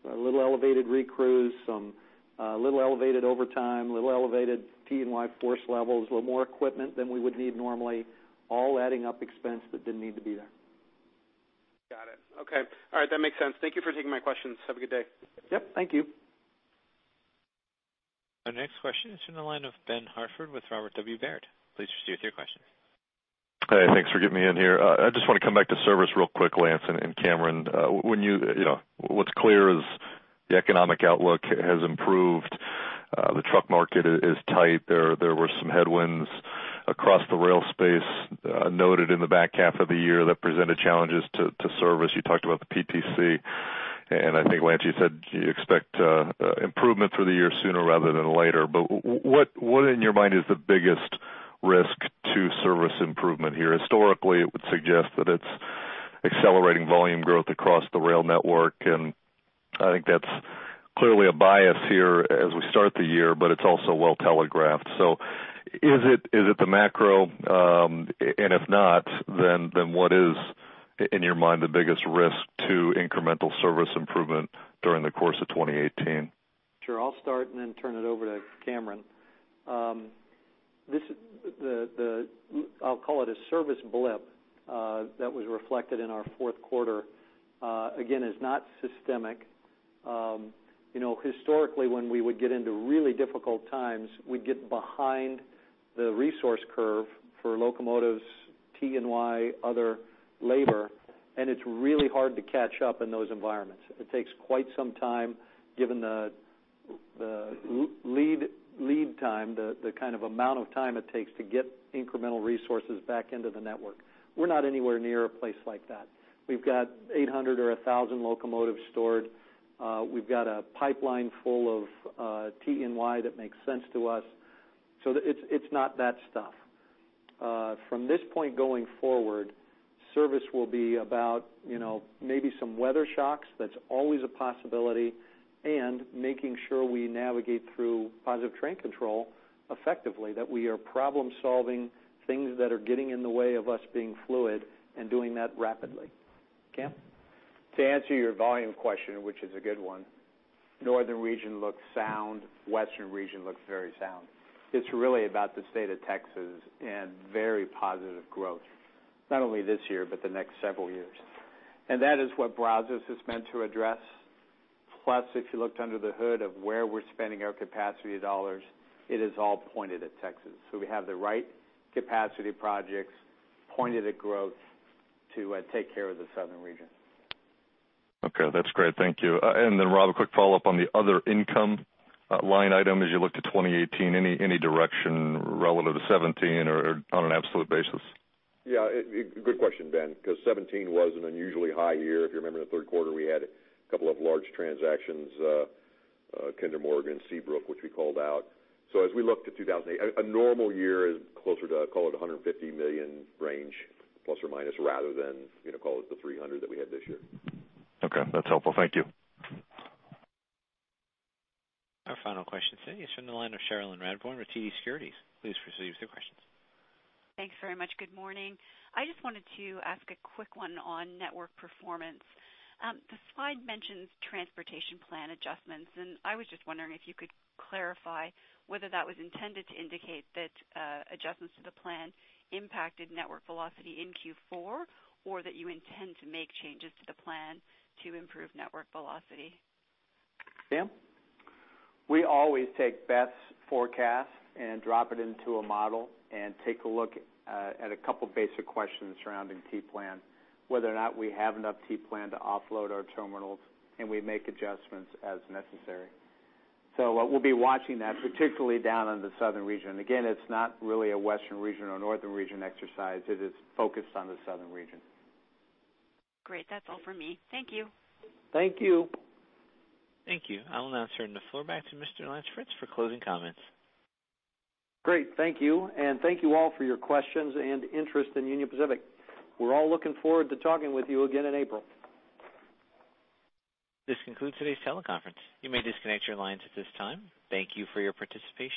Speaker 2: a little elevated recrews, some little elevated overtime, little elevated TE&Y force levels, a little more equipment than we would need normally, all adding up expense that didn't need to be there.
Speaker 20: Got it. Okay. All right. That makes sense. Thank you for taking my questions. Have a good day.
Speaker 2: Yep. Thank you.
Speaker 1: Our next question is from the line of Ben Hartford with Robert W. Baird. Please proceed with your question.
Speaker 21: Hey, thanks for getting me in here. I just want to come back to service real quick, Lance and Cameron. What's clear is the economic outlook has improved. The truck market is tight. There were some headwinds across the rail space noted in the back half of the year that presented challenges to service. You talked about the PTC, and I think, Lance, you said you expect improvement through the year sooner rather than later. What in your mind is the biggest risk to service improvement here? Historically, it would suggest that it's accelerating volume growth across the rail network, and I think that's clearly a bias here as we start the year, but it's also well telegraphed. Is it the macro? If not, then what is, in your mind, the biggest risk to incremental service improvement during the course of 2018?
Speaker 2: Sure. I'll start and then turn it over to Cameron. I'll call it a service blip that was reflected in our fourth quarter, again, is not systemic. Historically, when we would get into really difficult times, we'd get behind the resource curve for locomotives, TE&Y, other labor, and it's really hard to catch up in those environments. It takes quite some time, given the lead time, the kind of amount of time it takes to get incremental resources back into the network. We're not anywhere near a place like that. We've got 800 or 1,000 locomotives stored. We've got a pipeline full of TE&Y that makes sense to us. It's not that stuff. From this point going forward, service will be about maybe some weather shocks, that's always a possibility, and making sure we navigate through Positive Train Control effectively, that we are problem-solving things that are getting in the way of us being fluid and doing that rapidly. Cam?
Speaker 4: To answer your volume question, which is a good one, Northern region looks sound, Western region looks very sound. It's really about the state of Texas and very positive growth, not only this year, but the next several years. That is what Brazos is meant to address. Plus, if you looked under the hood of where we're spending our capacity dollars, it is all pointed at Texas. We have the right capacity projects pointed at growth to take care of the Southern region.
Speaker 21: Okay, that's great. Thank you. Then Rob, a quick follow-up on the other income line item as you look to 2018, any direction relative to 2017 or on an absolute basis?
Speaker 5: Yeah. Good question, Ben, because 2017 was an unusually high year. If you remember, in the third quarter, we had a couple of large transactions, Kinder Morgan, Seabrook, which we called out. As we look to 2018, a normal year is closer to, call it, $150 million range, plus or minus, rather than, call it, the $300 million that we had this year.
Speaker 21: Okay, that's helpful. Thank you.
Speaker 1: Our final question today is from the line of Cherilyn Radbourne with TD Securities. Please proceed with your questions.
Speaker 22: Thanks very much. Good morning. I just wanted to ask a quick one on network performance. The slide mentions transportation plan adjustments, I was just wondering if you could clarify whether that was intended to indicate that adjustments to the plan impacted network velocity in Q4, or that you intend to make changes to the plan to improve network velocity.
Speaker 2: Cam?
Speaker 4: We always take Beth's forecast, drop it into a model and take a look at a couple of basic questions surrounding T-plan, whether or not we have enough T-plan to offload our terminals, we make adjustments as necessary. We'll be watching that, particularly down in the Southern Region. Again, it's not really a Western Region or Northern Region exercise. It is focused on the Southern Region.
Speaker 22: Great. That's all for me. Thank you.
Speaker 4: Thank you.
Speaker 1: Thank you. I will now turn the floor back to Mr. Lance Fritz for closing comments.
Speaker 2: Great. Thank you, and thank you all for your questions and interest in Union Pacific. We're all looking forward to talking with you again in April.
Speaker 1: This concludes today's teleconference. You may disconnect your lines at this time. Thank you for your participation.